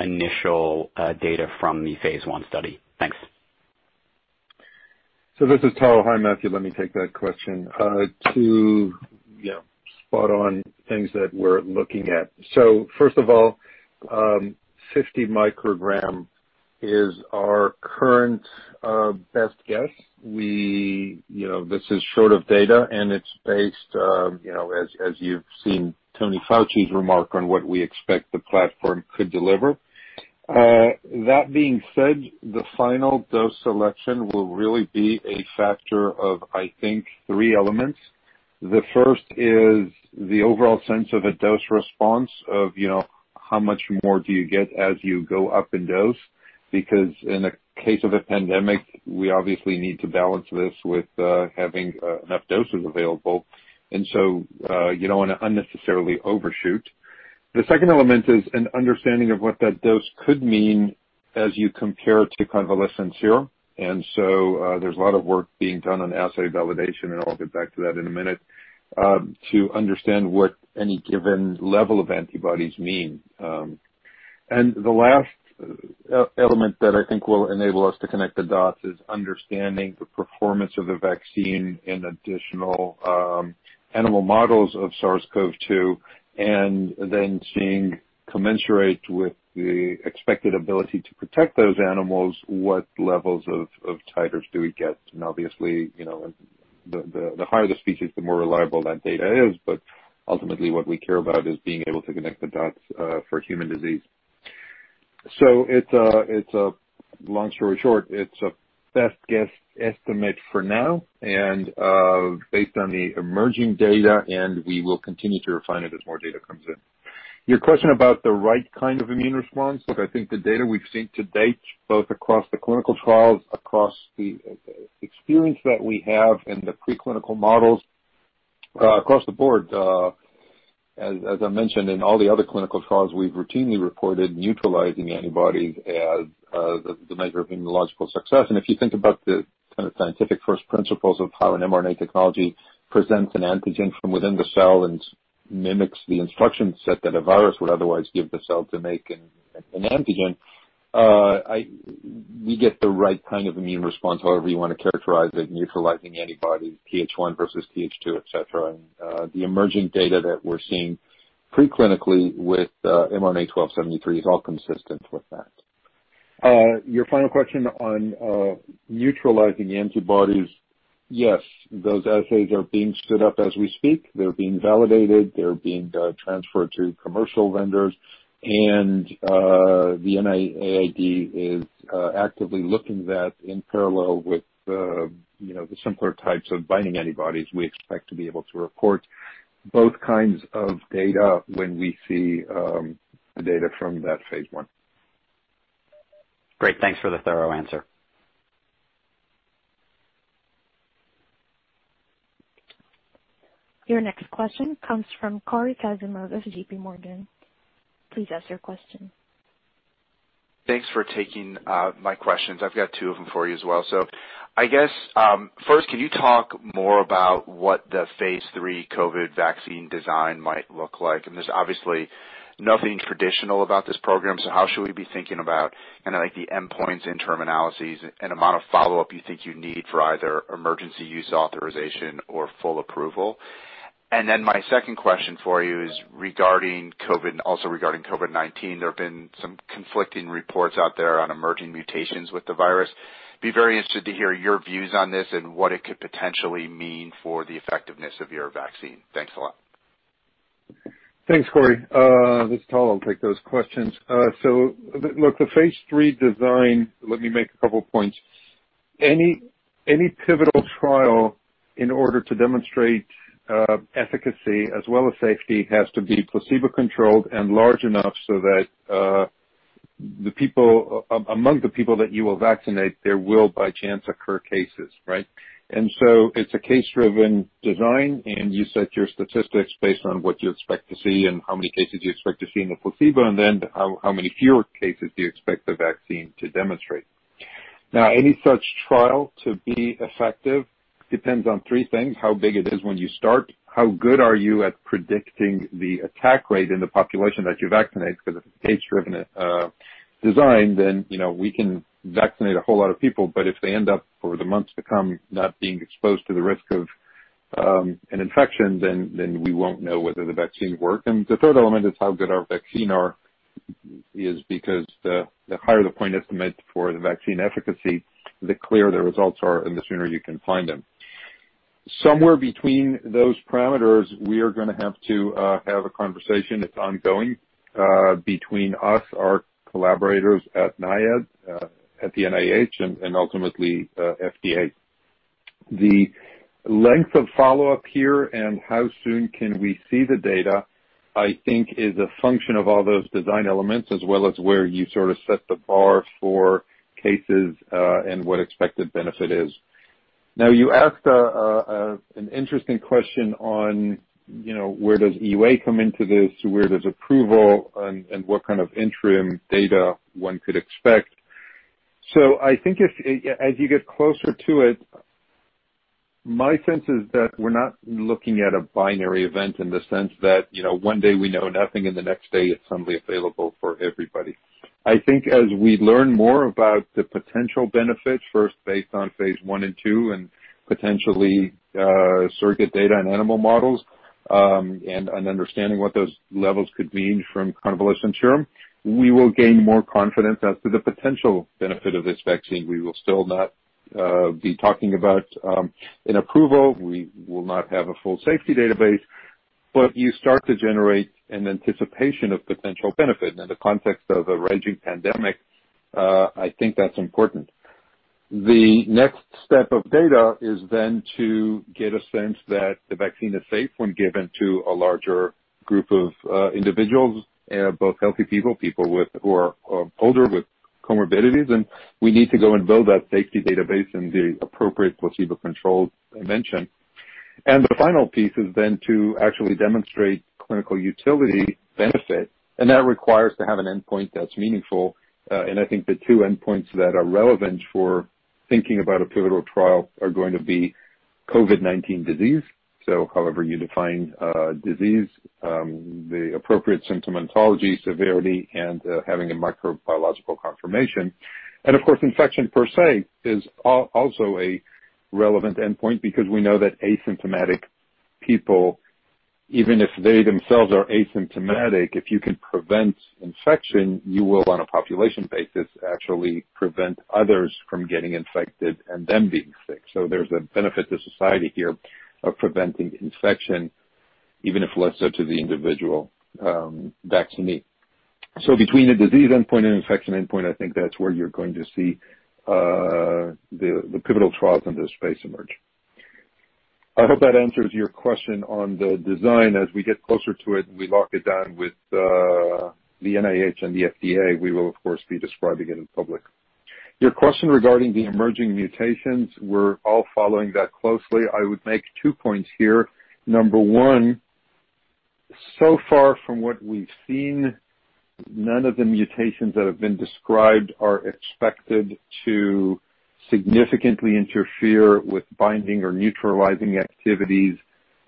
Speaker 6: initial data from the phase I study? Thanks.
Speaker 4: This is Tal. Hi, Matthew. Let me take that question. Two spot on things that we're looking at. first of all, 50 mcg is our current best guess. This is short of data, and it's based, as you've seen Tony Fauci's remark on what we expect the platform could deliver. That being said, the final dose selection will really be a factor of, I think, three elements. The first is the overall sense of a dose response of how much more do you get as you go up in dose. Because in the case of a pandemic, we obviously need to balance this with having enough doses available. you don't want to unnecessarily overshoot. The second element is an understanding of what that dose could mean as you compare to convalescents serum. There's a lot of work being done on assay validation, and I'll get back to that in a minute, to understand what any given level of antibodies mean. The last element that I think will enable us to connect the dots is understanding the performance of the vaccine in additional animal models of SARS-CoV-2, and then seeing commensurate with the expected ability to protect those animals what levels of titers do we get. Obviously, the higher the species, the more reliable that data is. Ultimately, what we care about is being able to connect the dots for human disease. Long story short, it's a best guess estimate for now, and based on the emerging data, and we will continue to refine it as more data comes in. Your question about the right kind of immune response, look, I think the data we've seen to date, both across the clinical trials, across the experience that we have in the preclinical models, across the board, as I mentioned in all the other clinical trials, we've routinely reported neutralizing antibodies as the measure of immunological success. If you think about the kind of scientific first principles of how an mRNA technology presents an antigen from within the cell and mimics the instruction set that a virus would otherwise give the cell to make an antigen, we get the right kind of immune response, however you want to characterize it, neutralizing antibody, TH1 versus TH2, et cetera. The emerging data that we're seeing preclinically with mRNA-1273 is all consistent with that. Your final question on neutralizing antibodies, yes, those assays are being stood up as we speak. They're being validated. They're being transferred to commercial vendors. The NIAID is actively looking that in parallel with the simpler types of binding antibodies. We expect to be able to report both kinds of data when we see the data from that phase I.
Speaker 6: Great. Thanks for the thorough answer.
Speaker 1: Your next question comes from Cory Kasimov of JPMorgan. Please ask your question.
Speaker 7: Thanks for taking my questions. I've got two of them for you as well. I guess, first, can you talk more about what the phase III COVID vaccine design might look like? There's obviously nothing traditional about this program, so how should we be thinking about kind of like the endpoints, interim analyses, and amount of follow-up you think you need for either emergency use authorization or full approval? My second question for you is also regarding COVID-19. There have been some conflicting reports out there on emerging mutations with the virus. Be very interested to hear your views on this and what it could potentially mean for the effectiveness of your vaccine. Thanks a lot.
Speaker 4: Thanks, Cory. This is Tal. I'll take those questions. Look, the phase III design, let me make a couple points. Any pivotal trial in order to demonstrate efficacy as well as safety has to be placebo-controlled and large enough so that among the people that you will vaccinate, there will, by chance, occur cases, right? It's a case-driven design, and you set your statistics based on what you expect to see and how many cases you expect to see in the placebo, and then how many fewer cases do you expect the vaccine to demonstrate. Now, any such trial to be effective depends on three things. How big it is when you start, how good are you at predicting the attack rate in the population that you vaccinate, because if it's a case-driven design, then we can vaccinate a whole lot of people. If they end up over the months to come not being exposed to the risk of an infection, then we won't know whether the vaccine worked. The third element is how good our vaccine are, is because the higher the point estimate for the vaccine efficacy, the clearer the results are and the sooner you can find them. Somewhere between those parameters, we are going to have to have a conversation that's ongoing between us, our collaborators at NIAID, at the NIH, and ultimately, FDA. The length of follow-up here and how soon can we see the data, I think is a function of all those design elements, as well as where you sort of set the bar for cases, and what expected benefit is. Now you asked an interesting question on where does EUA come into this, where does approval and what kind of interim data one could expect. I think as you get closer to it, my sense is that we're not looking at a binary event in the sense that one day we know nothing, and the next day it's suddenly available for everybody. I think as we learn more about the potential benefit, first based on phase I and II and potentially surrogate data in animal models, and understanding what those levels could mean from convalescent serum, we will gain more confidence as to the potential benefit of this vaccine. We will still not be talking about an approval. We will not have a full safety database. You start to generate an anticipation of potential benefit. In the context of a raging pandemic, I think that's important. The next step of data is then to get a sense that the vaccine is safe when given to a larger group of individuals, both healthy people who are older with comorbidities, and we need to go and build that safety database in the appropriate placebo-controlled I mentioned. The final piece is then to actually demonstrate clinical utility benefit. That requires to have an endpoint that's meaningful. I think the two endpoints that are relevant for thinking about a pivotal trial are going to be COVID-19 disease. However you define disease, the appropriate symptomatology, severity, and having a microbiological confirmation. Of course, infection per se is also a relevant endpoint because we know that asymptomatic people, even if they themselves are asymptomatic, if you can prevent infection, you will, on a population basis, actually prevent others from getting infected and them being sick. There's a benefit to society here of preventing infection, even if less so to the individual vaccinee. Between the disease endpoint and infection endpoint, I think that's where you're going to see the pivotal trials in this space emerge. I hope that answers your question on the design. As we get closer to it and we lock it down with the NIH and the FDA, we will, of course, be describing it in public. Your question regarding the emerging mutations, we're all following that closely. I would make two points here. Number one, so far from what we've seen, none of the mutations that have been described are expected to significantly interfere with binding or neutralizing activities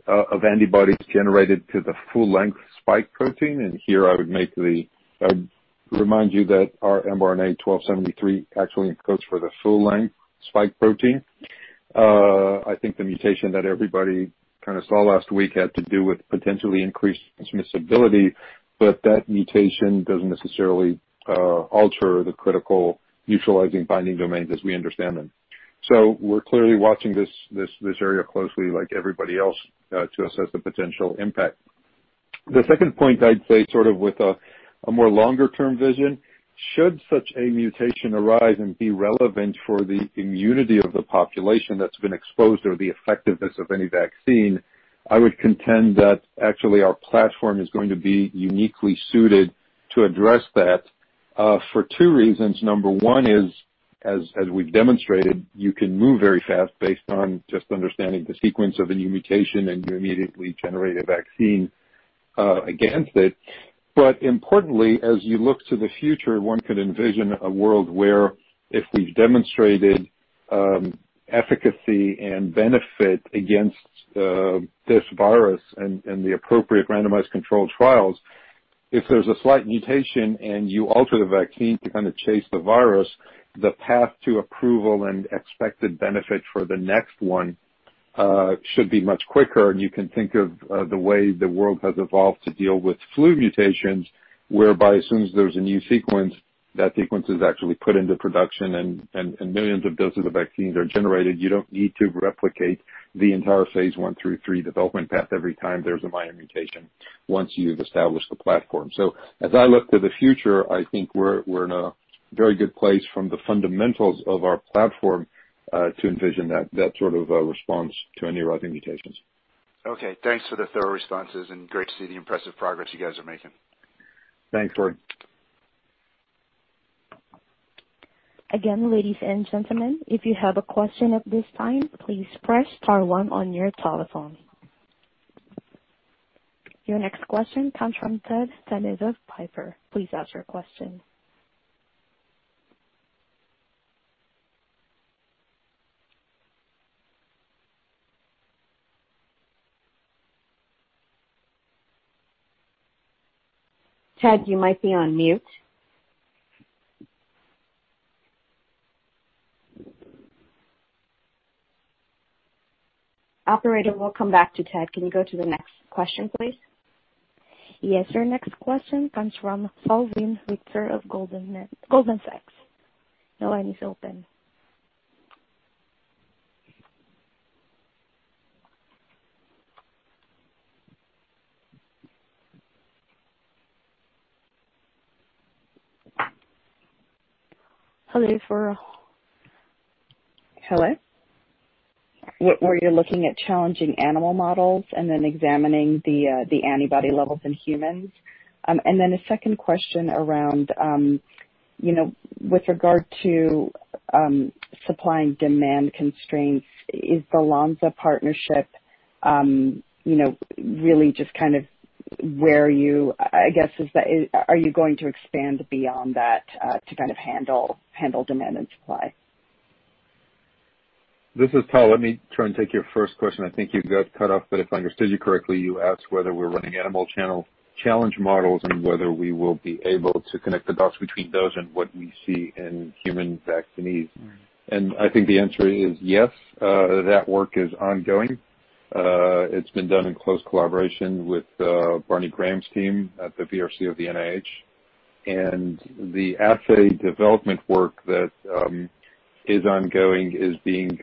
Speaker 4: of antibodies generated to the full-length spike protein. Here I would remind you that our mRNA-1273 actually encodes for the full-length spike protein. I think the mutation that everybody kind of saw last week had to do with potentially increased transmissibility. That mutation doesn't necessarily alter the critical neutralizing binding domains as we understand them. We're clearly watching this area closely like everybody else to assess the potential impact. The second point I'd say sort of with a more longer-term vision, should such a mutation arise and be relevant for the immunity of the population that's been exposed or the effectiveness of any vaccine, I would contend that actually our platform is going to be uniquely suited to address that for two reasons. Number one is, as we've demonstrated, you can move very fast based on just understanding the sequence of a new mutation, and you immediately generate a vaccine against it. Importantly, as you look to the future, one could envision a world where if we've demonstrated efficacy and benefit against this virus and the appropriate randomized controlled trials. If there's a slight mutation and you alter the vaccine to kind of chase the virus, the path to approval and expected benefit for the next one should be much quicker. You can think of the way the world has evolved to deal with flu mutations, whereby as soon as there's a new sequence, that sequence is actually put into production and millions of doses of vaccine are generated. You don't need to replicate the entire phase I through III development path every time there's a minor mutation, once you've established the platform. As I look to the future, I think we're in a very good place from the fundamentals of our platform, to envision that sort of response to any rising mutations.
Speaker 7: Okay. Thanks for the thorough responses and great to see the impressive progress you guys are making.
Speaker 4: Thanks, Cory.
Speaker 1: Again, ladies and gentlemen, if you have a question at this time, please press star one on your telephone. Your next question comes from Ted Tenthoff of Piper. Please ask your question.
Speaker 2: Ted, you might be on mute. Operator, we'll come back to Ted. Can we go to the next question, please?
Speaker 1: Yes. Your next question comes from Salveen Richter of Goldman Sachs. Your line is open. Hello?
Speaker 8: Hello. Where you're looking at challenging animal models and then examining the antibody levels in humans. A second question around with regard to supply and demand constraints, is the Lonza partnership really just kind of where you, I guess, are you going to expand beyond that to kind of handle demand and supply?
Speaker 4: This is Tal. Let me try and take your first question. I think you got cut off, but if I understood you correctly, you asked whether we're running animal challenge models and whether we will be able to connect the dots between those and what we see in human vaccinees. I think the answer is yes. That work is ongoing. It's been done in close collaboration with Barney Graham's team at the VRC of the NIH. The assay development work that is ongoing is being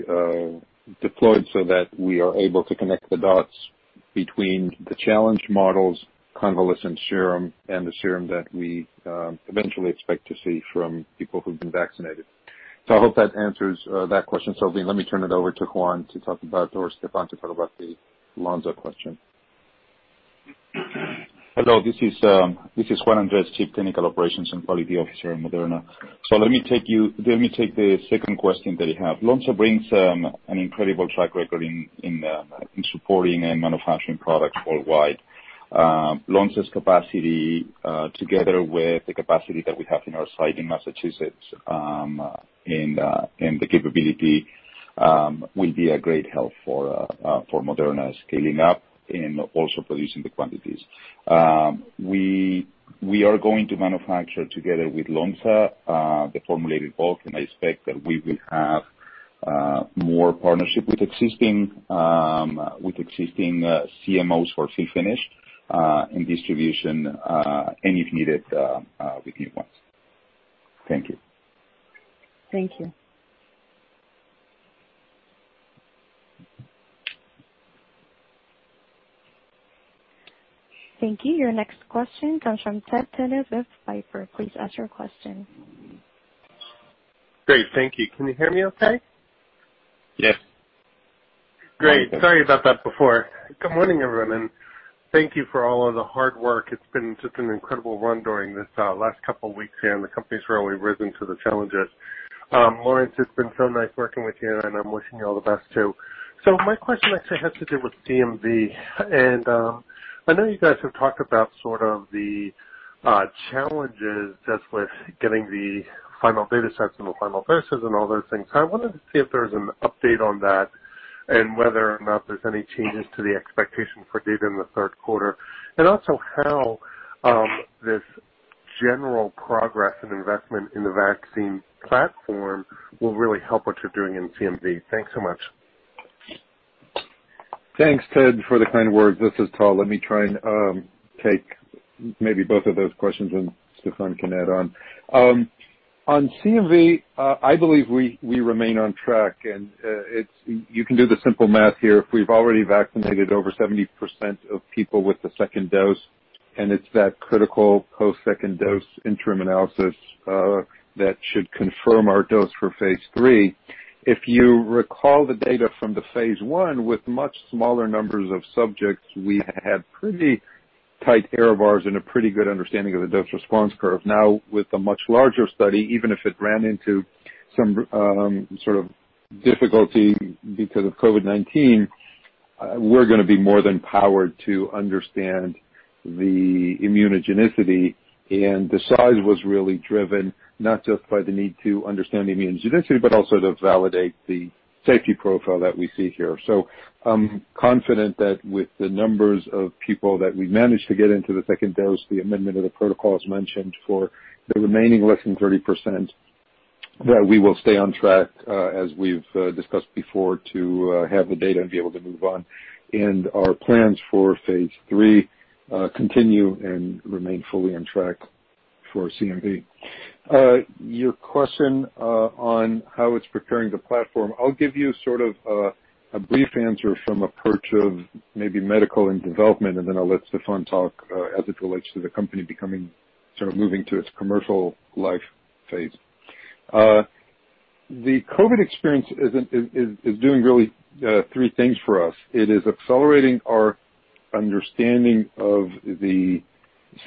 Speaker 4: deployed so that we are able to connect the dots between the challenge models, convalescent serum, and the serum that we eventually expect to see from people who've been vaccinated. I hope that answers that question, Salveen. Let me turn it over to Juan or Stéphane to talk about the Lonza question.
Speaker 9: Hello, this is Juan Andres, Chief Clinical Operations and Quality Officer in Moderna. Let me take the second question that you have. Lonza brings an incredible track record in supporting and manufacturing products worldwide. Lonza's capacity, together with the capacity that we have in our site in Massachusetts, and the capability, will be a great help for Moderna scaling up and also producing the quantities. We are going to manufacture together with Lonza, the formulated bulk, and I expect that we will have more partnership with existing CMOs for fill finish, and distribution, and if needed, with new ones. Thank you.
Speaker 8: Thank you.
Speaker 1: Thank you. Your next question comes from Ted Tenthoff with Piper. Please ask your question.
Speaker 10: Great. Thank you. Can you hear me okay?
Speaker 3: Yes.
Speaker 10: Great. Sorry about that before. Good morning, everyone, and thank you for all of the hard work. It's been just an incredible run during this last couple weeks here, and the company's really risen to the challenges. Lorence, it's been so nice working with you, and I'm wishing you all the best, too. My question actually has to do with CMV. I know you guys have talked about sort of the challenges just with getting the final data sets and the final doses and all those things. I wanted to see if there's an update on that and whether or not there's any changes to the expectation for data in the third quarter. Also how this general progress and investment in the vaccine platform will really help what you're doing in CMV. Thanks so much.
Speaker 4: Thanks, Ted, for the kind words. This is Tal. Let me try and take maybe both of those questions, and Stéphane can add on. On CMV, I believe we remain on track, and you can do the simple math here. If we've already vaccinated over 70% of people with the second dose, and it's that critical post second dose interim analysis that should confirm our dose for phase III. If you recall the data from the phase I with much smaller numbers of subjects, we had pretty tight error bars and a pretty good understanding of the dose-response curve. Now, with the much larger study, even if it ran into some sort of difficulty because of COVID-19, we're going to be more than powered to understand the immunogenicity. The size was really driven not just by the need to understand the immunogenicity, but also to validate the safety profile that we see here. I'm confident that with the numbers of people that we managed to get into the second dose, the amendment of the protocol, as mentioned, for the remaining less than 30% that we will stay on track, as we've discussed before, to have the data and be able to move on. Our plans for phase III continue and remain fully on track for CMV. Your question on how it's preparing the platform. I'll give you sort of a brief answer from a perch of maybe medical and development, and then I'll let Stéphane talk as it relates to the company becoming sort of moving to its commercial life phase. The COVID experience is doing really three things for us. It is accelerating our understanding of the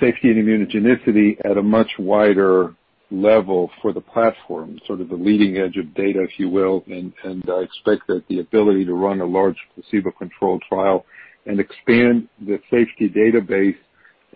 Speaker 4: safety and immunogenicity at a much wider level for the platform, sort of the leading edge of data, if you will. I expect that the ability to run a large placebo-controlled trial and expand the safety database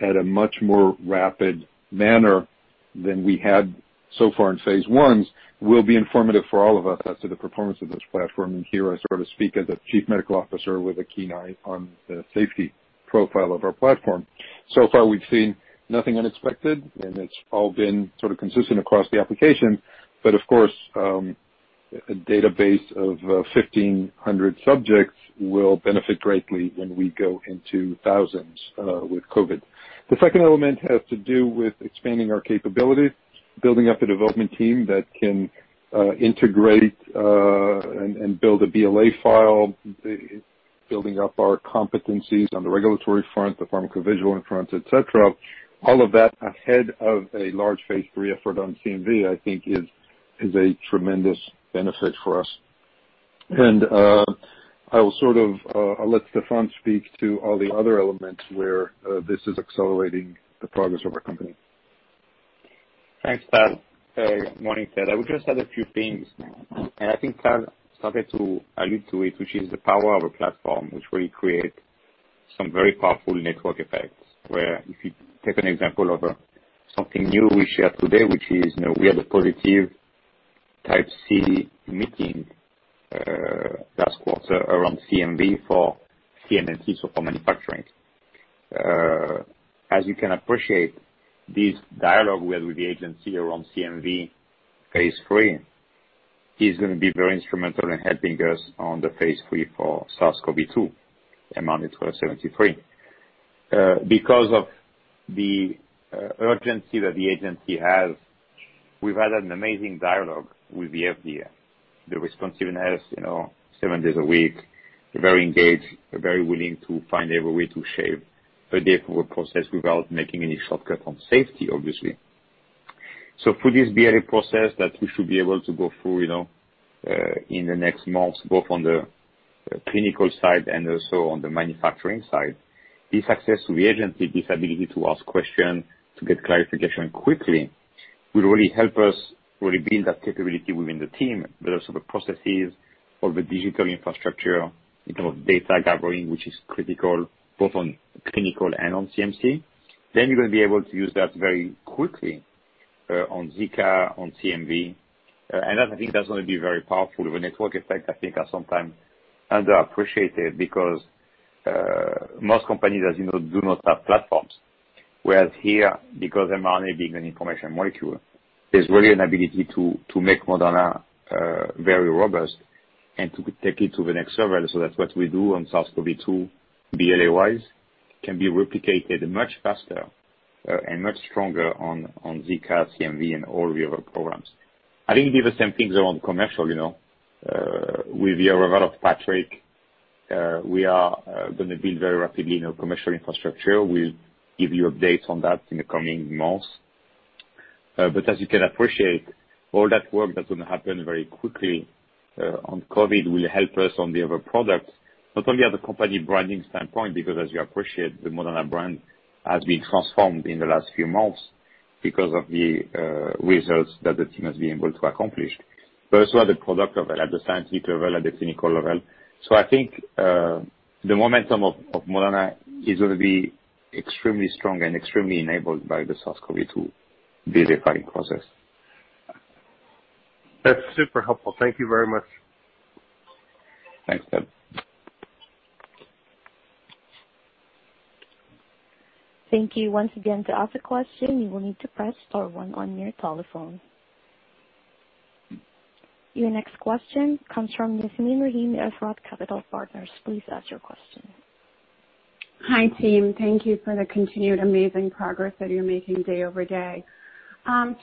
Speaker 4: at a much more rapid manner than we had so far in phase I will be informative for all of us as to the performance of this platform. Here I sort of speak as a chief medical officer with a keen eye on the safety profile of our platform. So far, we've seen nothing unexpected, and it's all been sort of consistent across the application. Of course, a database of 1,500 subjects will benefit greatly when we go into thousands with COVID. The second element has to do with expanding our capabilities, building up a development team that can integrate and build a BLA file, building up our competencies on the regulatory front, the pharmacovigilance front, et cetera. All of that ahead of a large phase III effort on CMV, I think is a tremendous benefit for us. I'll let Stéphane speak to all the other elements where this is accelerating the progress of our company.
Speaker 3: Thanks, Tal. Morning, Ted. I would just add a few things. I think Tal started to allude to it, which is the power of a platform which really create some very powerful network effects, where if you take an example of something new we shared today, which is we had a positive Type C meeting last quarter around CMV for CMC, so for manufacturing. As you can appreciate, this dialogue we had with the agency around CMV phase III is going to be very instrumental in helping us on the phase III for SARS-CoV-2, mRNA-1273. Because of the urgency that the agency has, we've had an amazing dialogue with the FDA. The responsiveness seven days a week. They're very engaged. They're very willing to find every way to shave a day from a process without making any shortcut on safety, obviously. For this BLA process that we should be able to go through, in the next months, both on the clinical side and also on the manufacturing side, this access to the agency, this ability to ask questions, to get clarification quickly, will really help us really build that capability within the team, but also the processes, all the digital infrastructure in term of data gathering, which is critical both on clinical and on CMC. You're going to be able to use that very quickly, on Zika, on CMV. I think that's going to be very powerful of a network effect, I think, at some time underappreciated, because, most companies, as you know, do not have platforms. Whereas here, because mRNA being an information molecule, there's really an ability to make Moderna very robust and to take it to the next level, so that what we do on SARS-CoV-2 BLA-wise can be replicated much faster and much stronger on Zika, CMV, and all the other programs. I think these are same things around commercial. With the arrival of Patrick, we are going to build very rapidly commercial infrastructure. We'll give you updates on that in the coming months. As you can appreciate, all that work that's going to happen very quickly on COVID will help us on the other products, not only at the company branding standpoint, because as you appreciate, the Moderna brand has been transformed in the last few months because of the results that the team has been able to accomplish, but also at the product level, at the scientific level, at the clinical level. I think the momentum of Moderna is going to be extremely strong and extremely enabled by the SARS-CoV-2 BLA filing process.
Speaker 10: That's super helpful. Thank you very much.
Speaker 3: Thanks, Ted.
Speaker 1: Thank you once again. To ask a question, you will need to press star one on your telephone. Your next question comes from Yasmeen Rahimi, ROTH Capital Partners. Please ask your question.
Speaker 11: Hi, team. Thank you for the continued amazing progress that you're making day over day.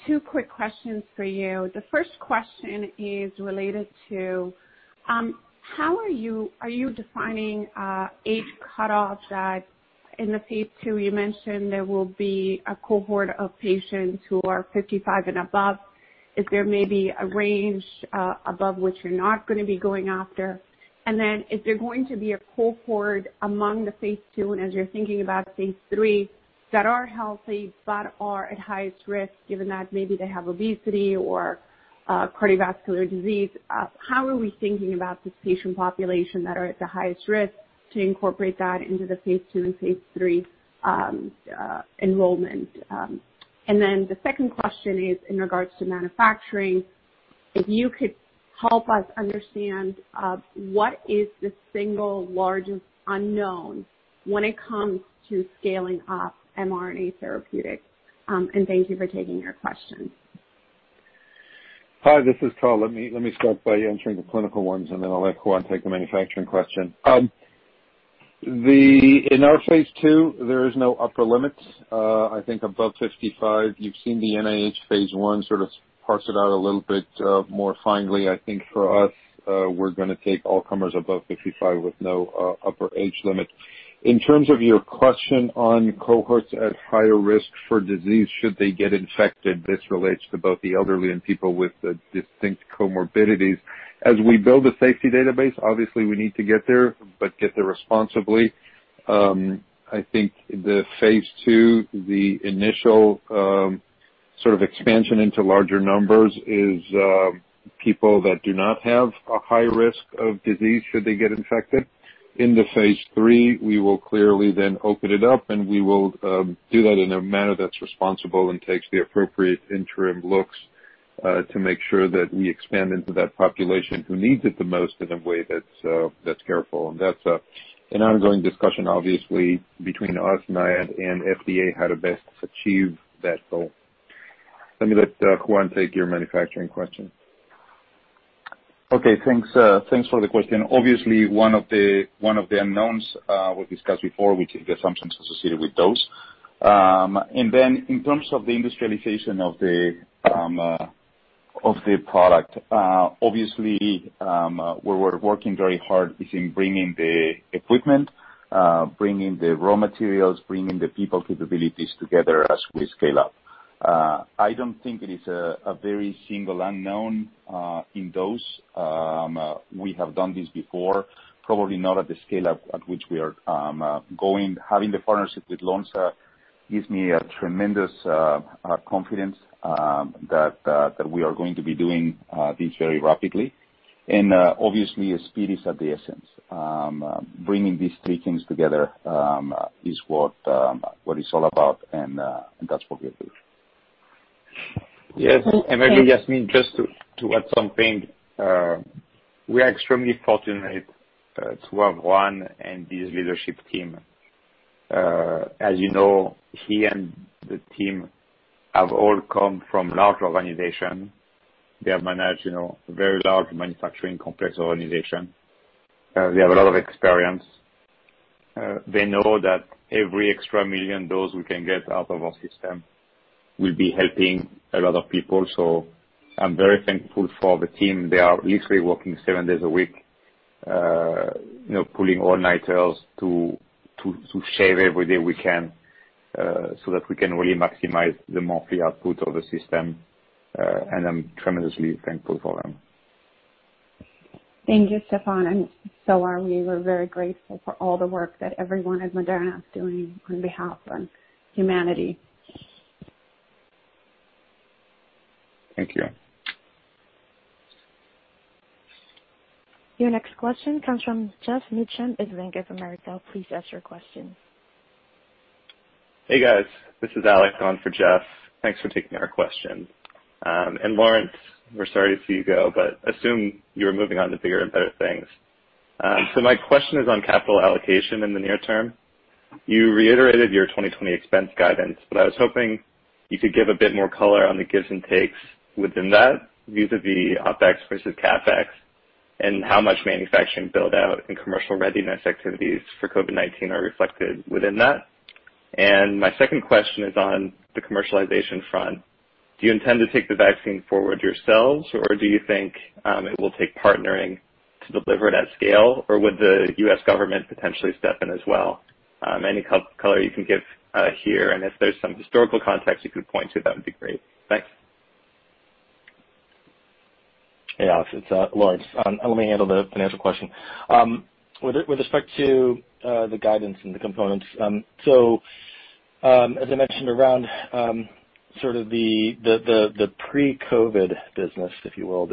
Speaker 11: Two quick questions for you. The first question is related to, how are you defining age cutoff that in the phase II you mentioned there will be a cohort of patients who are 55 and above. Is there maybe a range above which you're not going to be going after? Is there going to be a cohort among the phase II, and as you're thinking about phase III, that are healthy but are at highest risk, given that maybe they have obesity or cardiovascular disease? How are we thinking about this patient population that are at the highest risk to incorporate that into the phase II and phase III enrollment? The second question is in regards to manufacturing. If you could help us understand what is the single largest unknown when it comes to scaling up mRNA therapeutics? Thank you for taking our question.
Speaker 4: Hi, this is Tal. Let me start by answering the clinical ones, and then I'll let Juan take the manufacturing question. In our phase II, there is no upper limits. I think above 55, you've seen the NIH phase I sort of parse it out a little bit more finely. I think for us, we're going to take all comers above 55 with no upper age limit. In terms of your question on cohorts at higher risk for disease should they get infected, this relates to both the elderly and people with distinct comorbidities. As we build a safety database, obviously, we need to get there, but get there responsibly. I think the phase II, the initial sort of expansion into larger numbers is people that do not have a high risk of disease should they get infected. In the phase III, we will clearly then open it up, and we will do that in a manner that's responsible and takes the appropriate interim looks to make sure that we expand into that population who needs it the most in a way that's careful. That's an ongoing discussion, obviously, between us, NIAID, and FDA, how to best achieve that goal. Let me let Juan take your manufacturing question.
Speaker 9: Okay, thanks for the question. Obviously, one of the unknowns we've discussed before, which is the assumptions associated with dose. In terms of the industrialization of the product, obviously, we're working very hard between bringing the equipment, bringing the raw materials, bringing the people capabilities together as we scale up. I don't think it is a very single unknown in dose. We have done this before, probably not at the scale at which we are going. Having the partnership with Lonza gives me a tremendous confidence that we are going to be doing this very rapidly. Obviously, speed is of the essence. Bringing these three things together is what it's all about, and that's what we are doing.
Speaker 3: Yes. Maybe, Yasmeen, just to add something. We are extremely fortunate to have Juan and his leadership team. As you know, he and the team have all come from large organizations. They have managed very large manufacturing complex organizations. They have a lot of experience. They know that every extra million dose we can get out of our system will be helping a lot of people. I'm very thankful for the team. They are literally working seven days a week, pulling all-nighters to shave every day we can, so that we can really maximize the monthly output of the system. I'm tremendously thankful for them.
Speaker 11: Thank you, Stéphane, and so are we. We're very grateful for all the work that everyone at Moderna is doing on behalf of humanity.
Speaker 3: Thank you.
Speaker 1: Your next question comes from Geoff Meacham of Bank of America. Please ask your question.
Speaker 12: Hey, guys. This is Alec on for Geoff. Thanks for taking our question. Lorence, we're sorry to see you go, but assume you're moving on to bigger and better things. My question is on capital allocation in the near term. You reiterated your 2020 expense guidance, but I was hoping you could give a bit more color on the gives and takes within that, vis-a-vis OpEx versus CapEx, and how much manufacturing build-out and commercial readiness activities for COVID-19 are reflected within that. My second question is on the commercialization front. Do you intend to take the vaccine forward yourselves, or do you think it will take partnering to deliver it at scale, or would the U.S. government potentially step in as well? Any color you can give here, and if there's some historical context you could point to, that would be great. Thanks.
Speaker 5: Hey, Alec, it's Lorence. Let me handle the financial question. With respect to the guidance and the components, so as I mentioned around sort of the pre-COVID business, if you will,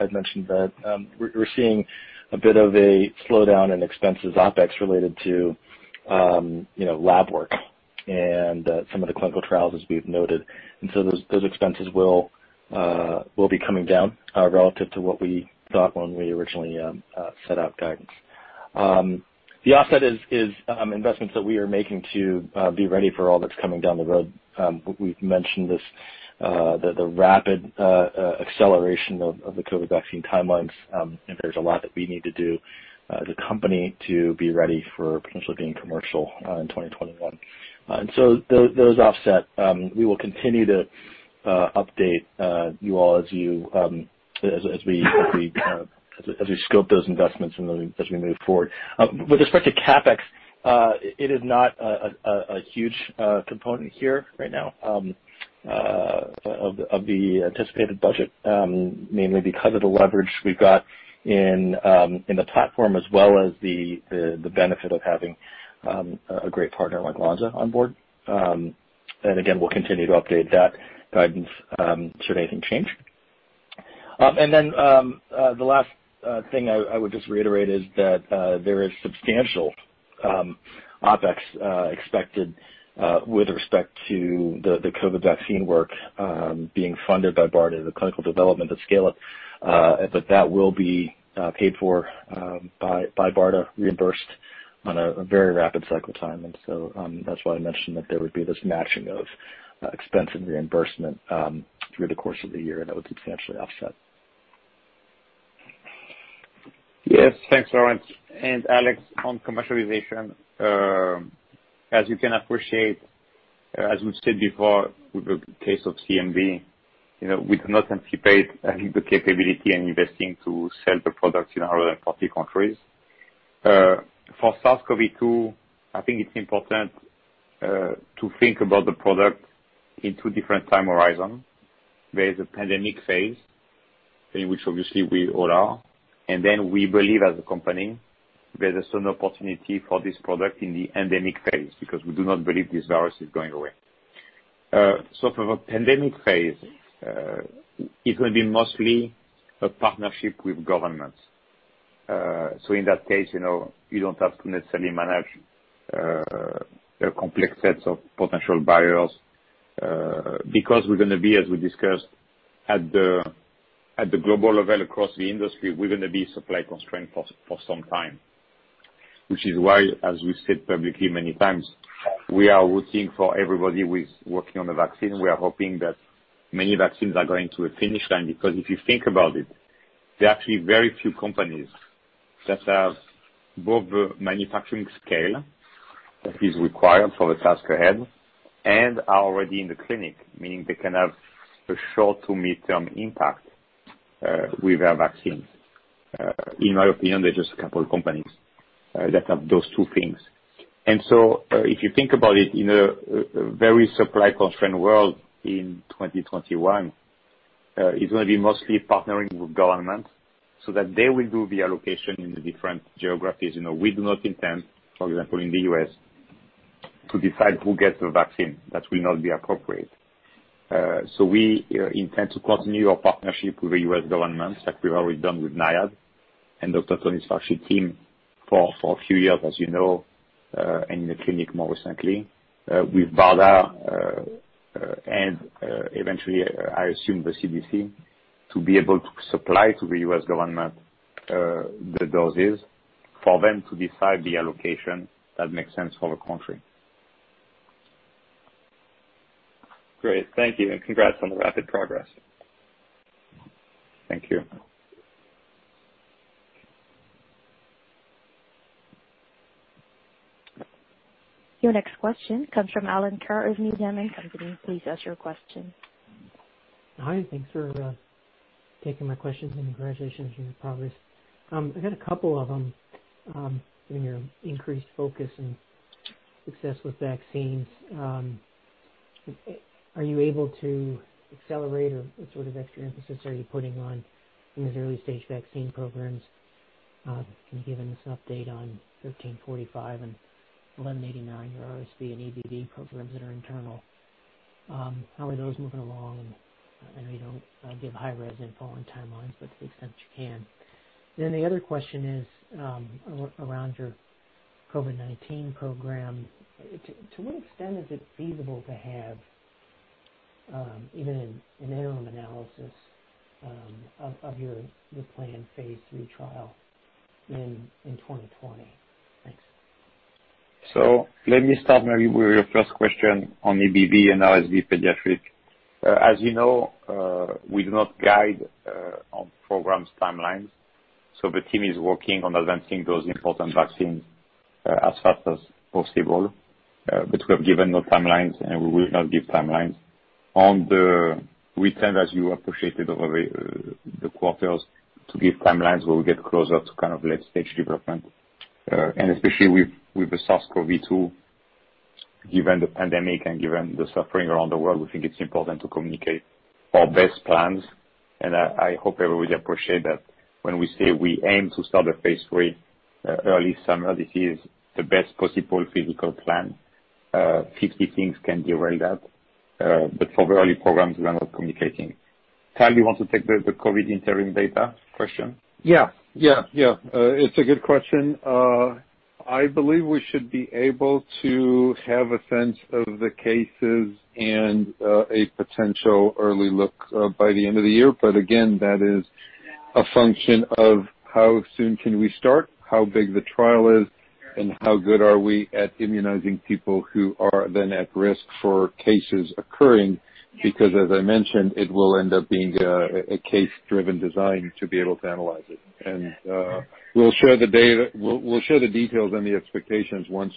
Speaker 5: I'd mentioned that we're seeing a bit of a slowdown in expenses, OpEx, related to lab work and some of the clinical trials as we've noted. Those expenses will be coming down relative to what we thought when we originally set out guidance. The offset is investments that we are making to be ready for all that's coming down the road. We've mentioned this, the rapid acceleration of the COVID vaccine timelines, and there's a lot that we need to do as a company to be ready for potentially being commercial in 2021. Those offset, we will continue to update you all as we scope those investments and as we move forward. With respect to CapEx, it is not a huge component here right now of the anticipated budget, mainly because of the leverage we've got in the platform as well as the benefit of having a great partner like Lonza on board. again, we'll continue to update that guidance should anything change. the last thing I would just reiterate is that there is substantial OpEx expected with respect to the COVID vaccine work being funded by BARDA, the clinical development at scale-up, but that will be paid for by BARDA reimbursed on a very rapid cycle time. that's why I mentioned that there would be this matching of expense and reimbursement through the course of the year, and that would substantially offset.
Speaker 3: Yes. Thanks, Lorence. Alec, on commercialization, as you can appreciate, as we've said before, with the case of CMV, we do not anticipate having the capability and investing to sell the products in other 40 countries. For SARS-CoV-2, I think it's important to think about the product in two different time horizon. There is a pandemic phase, in which obviously we all are, and then we believe as a company, there is an opportunity for this product in the endemic phase, because we do not believe this virus is going away. For the pandemic phase, it's going to be mostly a partnership with governments. In that case, you don't have to necessarily manage a complex set of potential buyers, because we're going to be, as we discussed, at the global level across the industry, we're going to be supply-constrained for some time. Which is why, as we've said publicly many times, we are rooting for everybody who is working on the vaccine. We are hoping that many vaccines are going to a finish line. Because if you think about it, there are actually very few companies that have both the manufacturing scale that is required for the task ahead and are already in the clinic, meaning they can have a short to midterm impact with their vaccine. In my opinion, there are just a couple of companies that have those two things. If you think about it, in a very supply-constrained world in 2021, it's gonna be mostly partnering with governments so that they will do the allocation in the different geographies. We do not intend, for example, in the U.S., to decide who gets the vaccine. That will not be appropriate. we intend to continue our partnership with the U.S. government, like we've already done with NIAID and Dr. Tony Fauci team for a few years as you know, in the clinic more recently, with BARDA, and eventually, I assume the CDC, to be able to supply to the U.S. government the doses for them to decide the allocation that makes sense for the country.
Speaker 12: Great. Thank you, and congrats on the rapid progress.
Speaker 3: Thank you.
Speaker 1: Your next question comes from Alan Carr of Needham & Company. Please ask your question.
Speaker 13: Hi, and thanks for taking my questions, and congratulations on your progress. I got a couple of them. In your increased focus and success with vaccines, are you able to accelerate or what sort of extra emphasis are you putting on these early-stage vaccine programs? Can you give us an update on 1545 and 1189, your RSV and EBV programs that are internal? How are those moving along? I know you don't give high-res info on timelines, but to the extent you can. The other question is around your COVID-19 program. To what extent is it feasible to have even an interim analysis of your planned phase III trial in 2020? Thanks.
Speaker 3: Let me start maybe with your first question on EBV and RSV pediatric. As you know, we do not guide on programs' timelines. The team is working on advancing those important vaccines as fast as possible. We have given no timelines, and we will not give timelines. On the return, as you appreciated over the quarters, to give timelines when we get closer to late-stage development. especially with the SARS-CoV-2, given the pandemic and given the suffering around the world, we think it's important to communicate our best plans. I hope everybody appreciate that when we say we aim to start a phase III early summer, this is the best possible physical plan. Fifty things can derail that. for the early programs, we are not communicating. Tal, you want to take the COVID interim data question?
Speaker 4: Yeah. It's a good question. I believe we should be able to have a sense of the cases and a potential early look by the end of the year. Again, that is a function of how soon can we start, how big the trial is, and how good are we at immunizing people who are then at risk for cases occurring. Because, as I mentioned, it will end up being a case-driven design to be able to analyze it. We'll share the details and the expectations once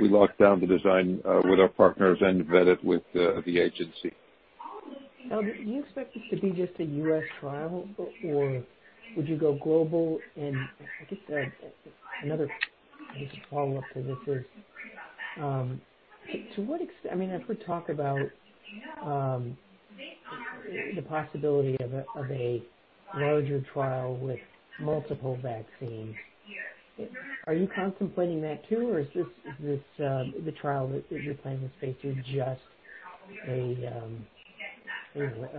Speaker 4: we lock down the design with our partners and vet it with the agency.
Speaker 13: Do you expect this to be just a U.S. trial or would you go global? I guess another just follow-up to this is, I mean, as we talk about the possibility of a larger trial with multiple vaccines, are you contemplating that, too? Or is the trial that you're planning to phase III just a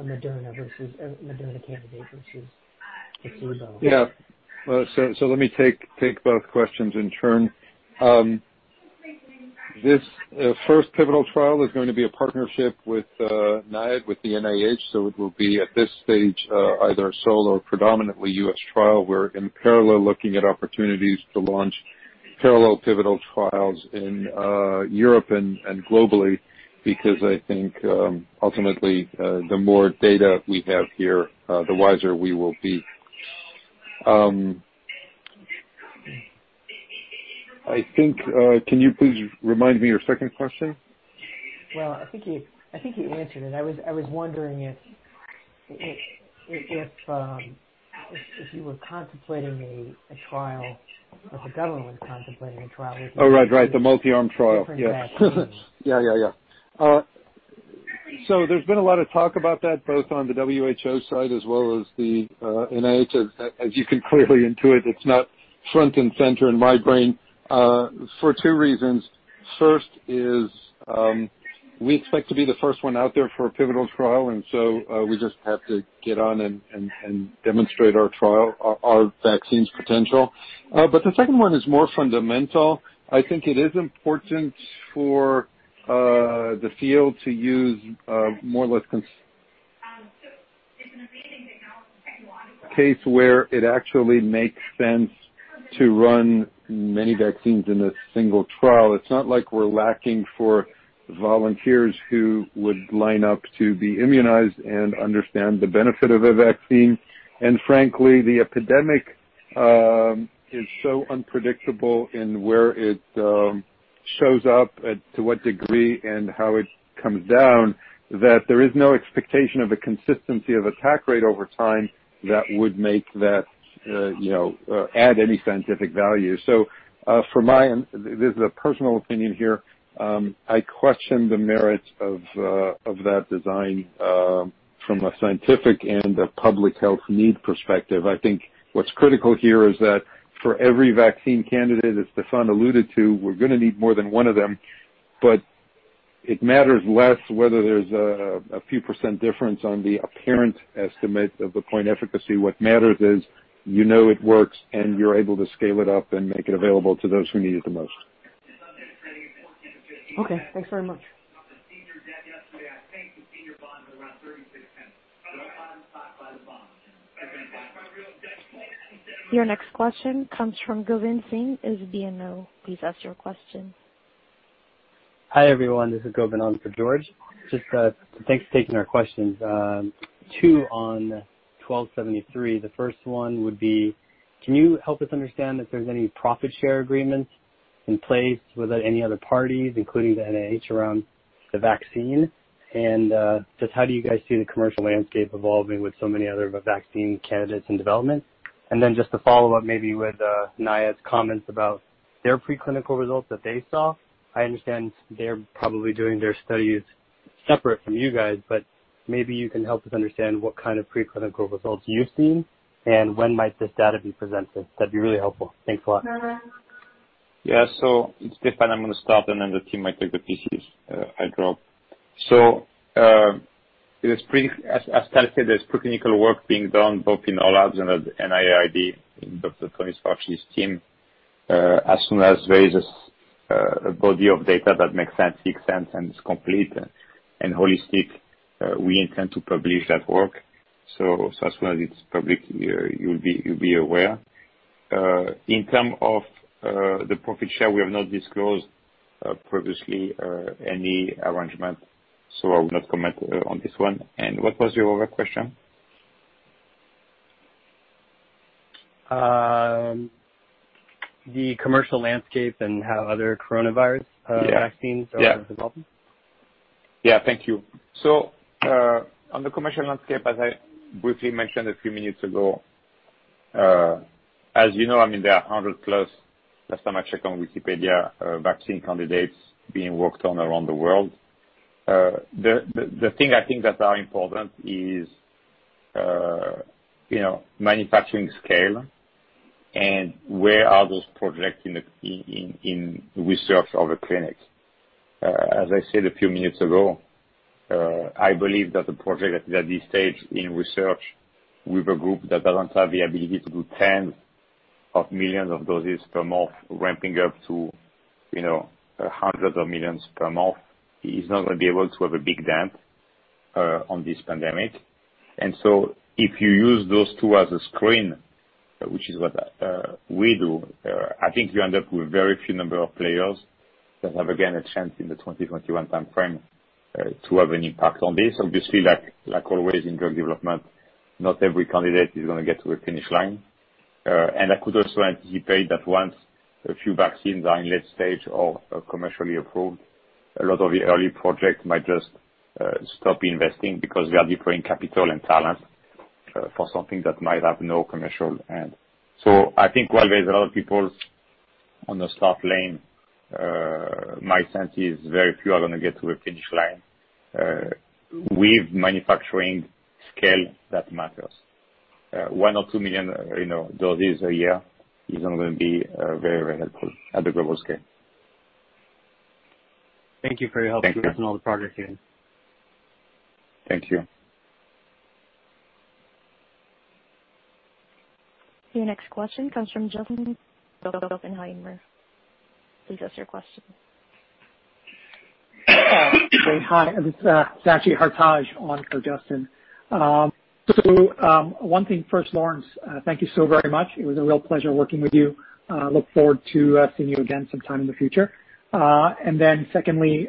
Speaker 13: Moderna versus Moderna candidate versus the placebo.
Speaker 4: Yeah. Let me take both questions in turn. This first pivotal trial is going to be a partnership with NIAID, with the NIH. It will be, at this stage, either a sole or predominantly U.S. trial. We're in parallel looking at opportunities to launch parallel pivotal trials in Europe and globally, because I think ultimately the more data we have here, the wiser we will be. I think, can you please remind me your second question?
Speaker 13: Well, I think you answered it. I was wondering if you were contemplating a trial, if the government was contemplating a trial with.
Speaker 4: Oh, right. The multi-arm trial.
Speaker 13: Different vaccines.
Speaker 4: Yeah. there's been a lot of talk about that, both on the WHO side as well as the NIH. As you can clearly intuit, it's not front and center in my brain for two reasons. First is we expect to be the first one out there for a pivotal trial, and so we just have to get on and demonstrate our trial, our vaccine's potential. The second one is more fundamental. I think it is important for the field to use more or less case where it actually makes sense to run many vaccines in a single trial. It's not like we're lacking for volunteers who would line up to be immunized and understand the benefit of a vaccine. Frankly, the epidemic is so unpredictable in where it shows up, to what degree, and how it comes down, that there is no expectation of a consistency of attack rate over time that would make that add any scientific value. For my, this is a personal opinion here, I question the merits of that design from a scientific and a public health need perspective. I think what's critical here is that for every vaccine candidate, as Stéphane alluded to, we're going to need more than one of them, but it matters less whether there's a few percent difference on the apparent estimate of the point efficacy. What matters is you know it works and you're able to scale it up and make it available to those who need it the most.
Speaker 13: Okay, thanks very much.
Speaker 1: Your next question comes from Gobind Singh, as BMO. Please ask your question.
Speaker 14: Hi, everyone. This is Gobind on for George. Thanks for taking our questions. Two on 1273. The first one would be, can you help us understand if there's any profit share agreements in place with any other parties, including the NIH, around the vaccine? Just how do you guys see the commercial landscape evolving with so many other vaccine candidates in development? Just to follow up maybe with NIAID's comments about their preclinical results that they saw. I understand they're probably doing their studies separate from you guys, but maybe you can help us understand what kind of preclinical results you've seen and when might this data be presented. That'd be really helpful. Thanks a lot.
Speaker 3: Yeah. It's Stephane. I'm going to start, and then the team might take the pieces I drop. As Tal said, there's preclinical work being done both in our labs and at the NIAID, in Dr. Tony Fauci's team. As soon as there is a body of data that makes scientific sense and is complete and holistic, we intend to publish that work. As soon as it's public, you'll be aware. In terms of the profit share, we have not disclosed previously any arrangement, so I will not comment on this one. What was your other question?
Speaker 14: The commercial landscape and how other coronavirus vaccines are developing.
Speaker 3: Yeah. Thank you. On the commercial landscape, as I briefly mentioned a few minutes ago, as you know, there are 100+, last time I checked on Wikipedia, vaccine candidates being worked on around the world. The thing I think that are important is manufacturing scale and where are those projects in research or a clinic. As I said a few minutes ago, I believe that the project at this stage in research with a group that doesn't have the ability to do tens of millions of doses per month ramping up to hundreds of millions per month is not going to be able to have a big dent on this pandemic. if you use those two as a screen, which is what we do, I think you end up with very few number of players that have, again, a chance in the 2021 timeframe to have an impact on this. Obviously, like always in drug development, not every candidate is going to get to the finish line. I could also anticipate that once a few vaccines are in late stage or commercially approved, a lot of the early projects might just stop investing because we are deploying capital and talent for something that might have no commercial end. I think while there's a lot of people on the start lane, my sense is very few are going to get to the finish line. With manufacturing scale, that matters. One or two million doses a year is not going to be very helpful at the global scale.
Speaker 14: Thank you for your help with all the progress here.
Speaker 3: Thank you.
Speaker 1: Your next question comes from Justin Kim with Oppenheimer. Please ask your question.
Speaker 15: Great. Hi, this is actually Hartaj on for Justin. One thing first, Lorence, thank you so very much. It was a real pleasure working with you. Look forward to seeing you again sometime in the future. Secondly,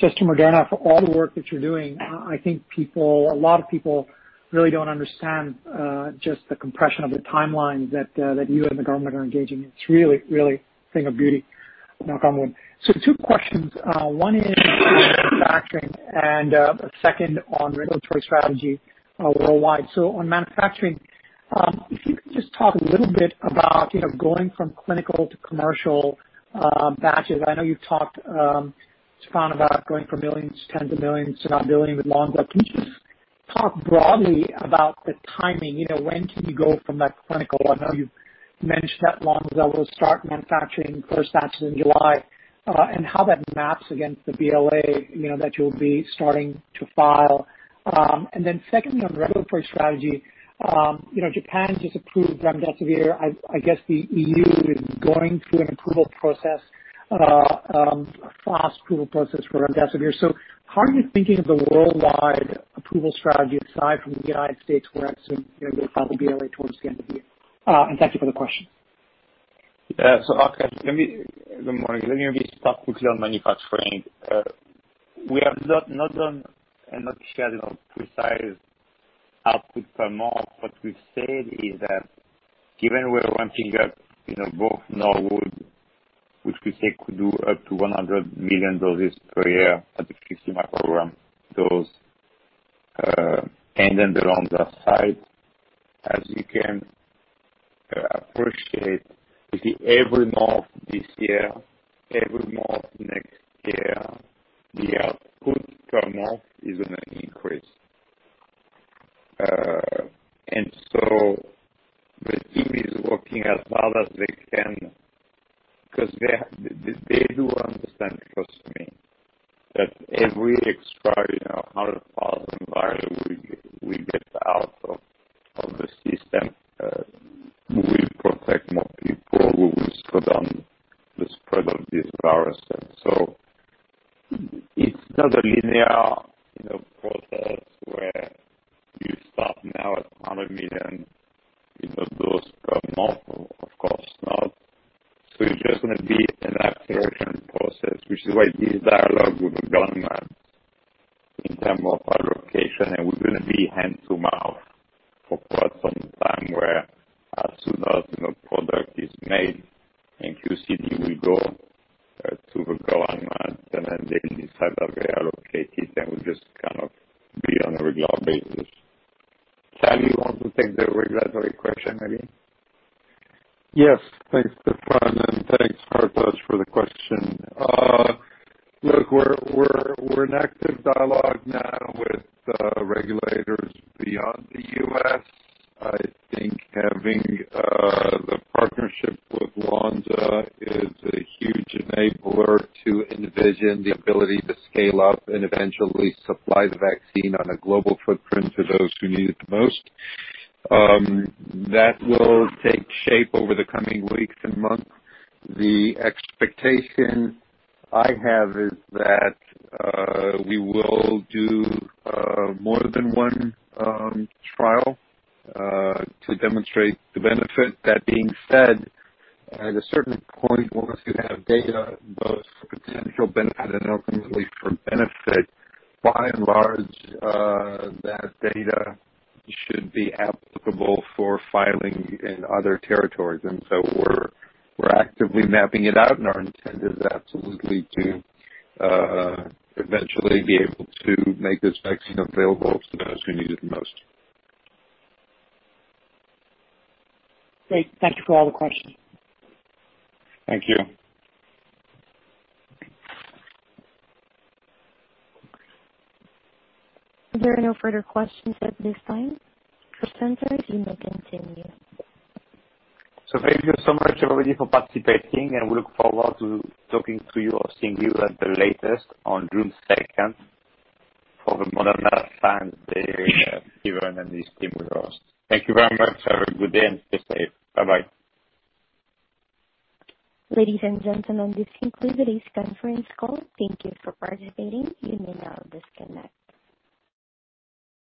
Speaker 15: just to Moderna, for all the work that you're doing, I think a lot of people really don't understand just the compression of the timeline that you and the government are engaging in. It's really a thing of beauty, knock on wood. Two questions. One is on manufacturing and a second on regulatory strategy worldwide. On manufacturing, if you could just talk a little bit about going from clinical to commercial batches. I know you've talked, Stéphane, about going from millions to tens of millions to now billions with Lonza. Can you just talk broadly about the timing? When can you go from that clinical, I know you've mentioned that Lonza will start manufacturing first batches in July, and how that maps against the BLA that you'll be starting to file. Secondly, on regulatory strategy. Japan just approved remdesivir. I guess the EU is going through an approval process, a fast approval process for remdesivir. How are you thinking of the worldwide approval strategy aside from the United States, where it's going to file the BLA towards the end of the year? Thank you for the question.
Speaker 3: Yeah. Hartaj, good morning. Let me maybe start quickly on manufacturing. We have not done and not shared precise output per month. What we've said is that given we're ramping up both Norwood, which we said could do up to 100 million doses per year at the 50 mcg dose, and then the Lonza side, as you can appreciate, every month this year, every month next year, the output per month is going to increase. The team is working as hard as they can because they do understand, trust me, that every extra 100,000 vial we get out of the system will protect more people, we will slow down the spread of this virus. It's not a linear process where
Speaker 4: supply the vaccine on a global footprint to those who need it the most. That will take shape over the coming weeks and months. The expectation I have is that we will do more than one trial to demonstrate the benefit. That being said, at a certain point, once you have data, both for potential benefit and ultimately for benefit, by and large, that data should be applicable for filing in other territories. We're actively mapping it out, and our intent is absolutely to eventually be able to make this vaccine available to those who need it the most.
Speaker 15: Great. Thank you for all the questions.
Speaker 4: Thank you.
Speaker 1: There are no further questions at this time. Presenters, you may continue.
Speaker 3: Thank you so much, everybody, for participating, and we look forward to talking to you or seeing you at the latest on June 2nd for the Moderna Science Day event and this team with us. Thank you very much. Have a good day and stay safe. Bye-bye.
Speaker 1: Ladies and gentlemen, this concludes today's conference call. Thank you for participating. You may now disconnect.